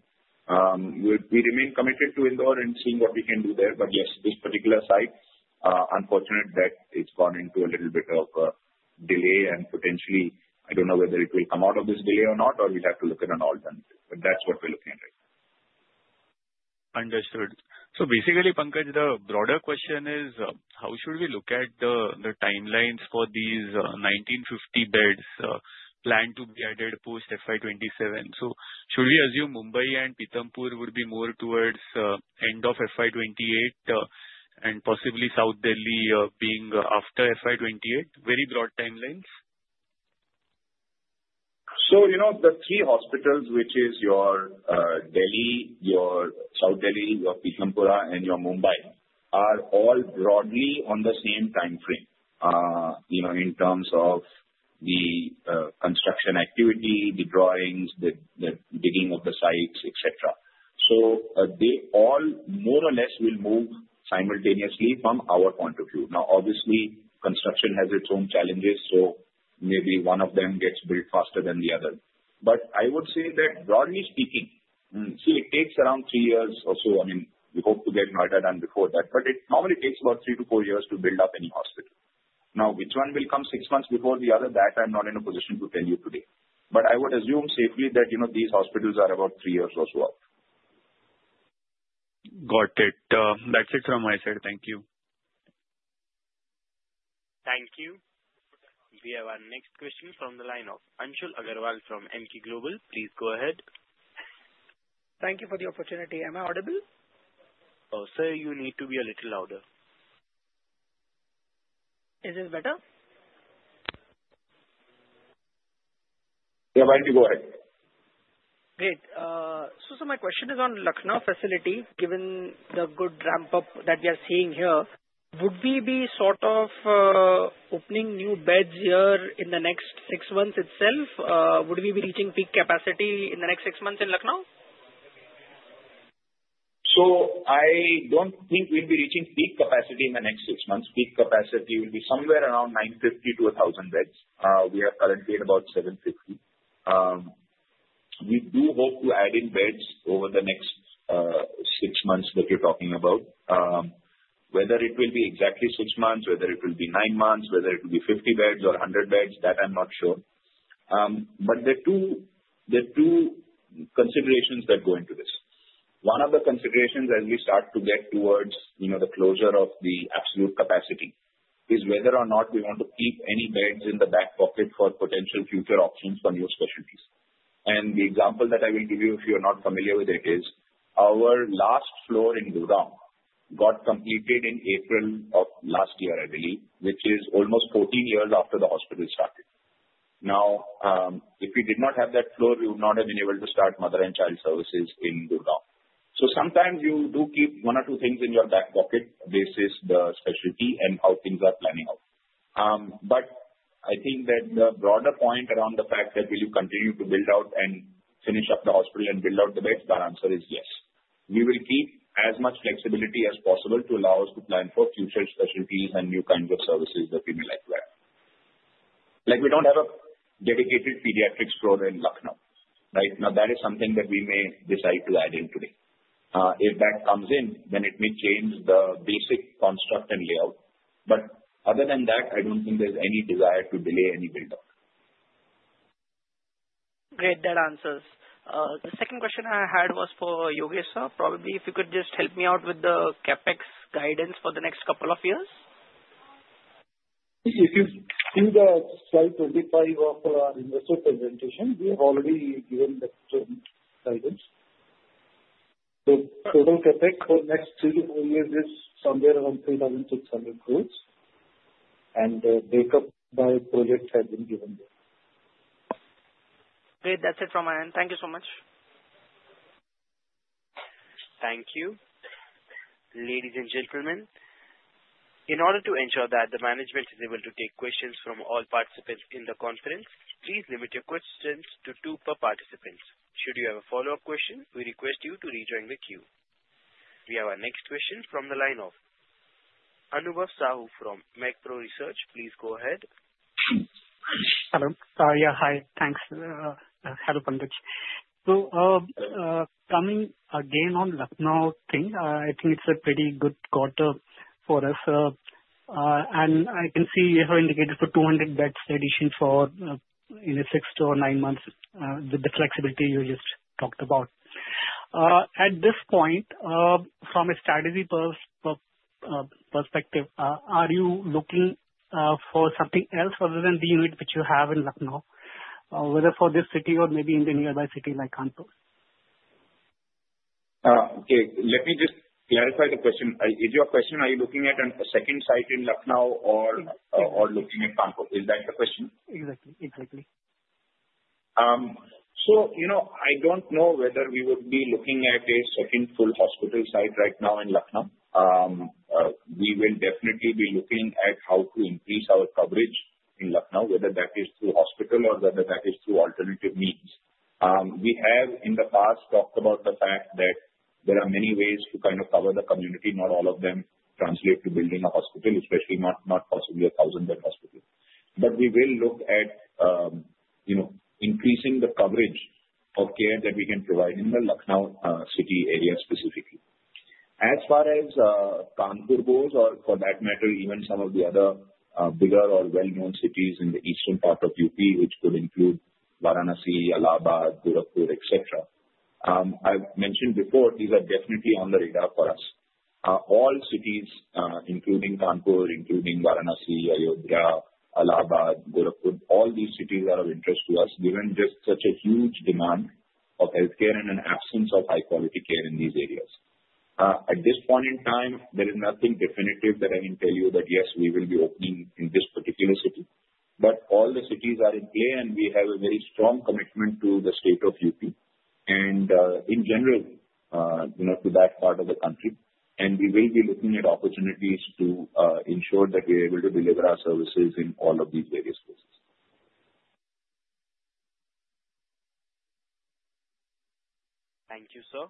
We remain committed to Indore and seeing what we can do there. But yes, this particular site, unfortunate, that it's gone into a little bit of a delay and potentially, I don't know whether it will come out of this delay or not, or we'll have to look at an alternative. But that's what we're looking at right now. Understood. So basically, Pankaj, the broader question is, how should we look at the timelines for these 1,950 beds planned to be added post FY27? So should we assume Mumbai and Pitampura would be more towards end of FY28 and possibly South Delhi being after FY28? Very broad timelines. So the three hospitals, which is your Delhi, your South Delhi, your Pitampura, and your Mumbai, are all broadly on the same timeframe in terms of the construction activity, the drawings, the digging of the sites, etc. So they all more or less will move simultaneously from our point of view. Now, obviously, construction has its own challenges, so maybe one of them gets built faster than the other. But I would say that broadly speaking, see, it takes around three years or so. I mean, we hope to get Noida done before that, but it normally takes about three to four years to build up any hospital. Now, which one will come six months before the other, that I'm not in a position to tell you today. But I would assume safely that these hospitals are about three years or so out. Got it. That's it from my side. Thank you. Thank you. We have our next question from the line of Anshul Agrawal from Emkay Global. Please go ahead. Thank you for the opportunity. Am I audible? Oh, sir, you need to be a little louder. Is this better? Yeah, why don't you go ahead. Great. So my question is on Lucknow facility. Given the good ramp-up that we are seeing here, would we be sort of opening new beds here in the next six months itself? Would we be reaching peak capacity in the next six months in Lucknow? I don't think we'll be reaching peak capacity in the next six months. Peak capacity will be somewhere around 950 to 1,000 beds. We are currently at about 750. We do hope to add in beds over the next six months that you're talking about. Whether it will be exactly six months, whether it will be nine months, whether it will be 50 beds or 100 beds, that I'm not sure. But there are two considerations that go into this. One of the considerations as we start to get towards the closure of the absolute capacity is whether or not we want to keep any beds in the back pocket for potential future options for new specialties. The example that I will give you, if you're not familiar with it, is our last floor in Gurgaon got completed in April of last year, I believe, which is almost 14 years after the hospital started. Now, if we did not have that floor, we would not have been able to start mother and child services in Gurgaon. So sometimes you do keep one or two things in your back pocket basis, the specialty and how things are planning out. But I think that the broader point around the fact that will you continue to build out and finish up the hospital and build out the beds? My answer is yes. We will keep as much flexibility as possible to allow us to plan for future specialties and new kinds of services that we may like to add. We don't have a dedicated pediatrics floor in Lucknow, right? Now, that is something that we may decide to add in today. If that comes in, then it may change the basic construct and layout. But other than that, I don't think there's any desire to delay any build-up. Great. That answers. The second question I had was for Yogesh. Probably if you could just help me out with the CapEx guidance for the next couple of years. If you see the slide 25 of our investor presentation, we have already given that guidance. The total CapEx for the next three to four years is somewhere around INR 3,600 crores, and the breakup by project has been given there. Great. That's it from my end. Thank you so much. Thank you. Ladies and gentlemen, in order to ensure that the management is able to take questions from all participants in the conference, please limit your questions to two per participant. Should you have a follow-up question, we request you to rejoin the queue. We have our next question from the line of Anubhav Sahu from MC Pro Research. Please go ahead. Hello. Yeah, hi. Thanks. Hello, Pankaj. So coming again on Lucknow thing, I think it's a pretty good quarter for us. And I can see you have indicated for 200 beds addition for six to nine months with the flexibility you just talked about. At this point, from a strategy perspective, are you looking for something else other than the unit which you have in Lucknow, whether for this city or maybe in the nearby city like Kanpur? Okay. Let me just clarify the question. Is your question, are you looking at a second site in Lucknow or looking at Kanpur? Is that the question? Exactly. Exactly. So I don't know whether we would be looking at a second full hospital site right now in Lucknow. We will definitely be looking at how to increase our coverage in Lucknow, whether that is through hospital or whether that is through alternative means. We have, in the past, talked about the fact that there are many ways to kind of cover the community. Not all of them translate to building a hospital, especially not possibly a 1,000-bed hospital. But we will look at increasing the coverage of care that we can provide in the Lucknow city area specifically. As far as Kanpur goes, or for that matter, even some of the other bigger or well-known cities in the eastern part of UP, which could include Varanasi, Allahabad, Gorakhpur, etc., I've mentioned before, these are definitely on the radar for us. All cities, including Kanpur, Varanasi, Ayodhya, Allahabad, Gorakhpur, all these cities are of interest to us given just such a huge demand of healthcare and an absence of high-quality care in these areas. At this point in time, there is nothing definitive that I can tell you that, yes, we will be opening in this particular city. But all the cities are in play, and we have a very strong commitment to the state of UP and, in general, to that part of the country, and we will be looking at opportunities to ensure that we are able to deliver our services in all of these various places. Thank you, sir.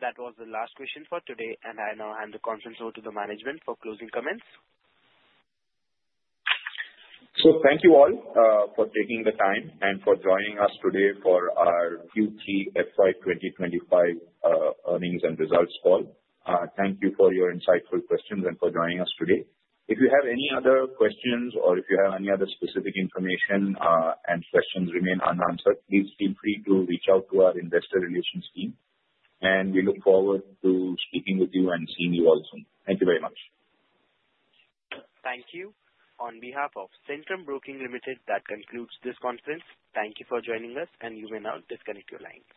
That was the last question for today, and I now hand the conference over to the management for closing comments. So thank you all for taking the time and for joining us today for our Q3 FY 2025 earnings and results call. Thank you for your insightful questions and for joining us today. If you have any other questions or if you have any other specific information and questions remain unanswered, please feel free to reach out to our investor relations team. And we look forward to speaking with you and seeing you all soon. Thank you very much. Thank you. On behalf of Centrum Broking Limited, that concludes this conference. Thank you for joining us, and you may now disconnect your line.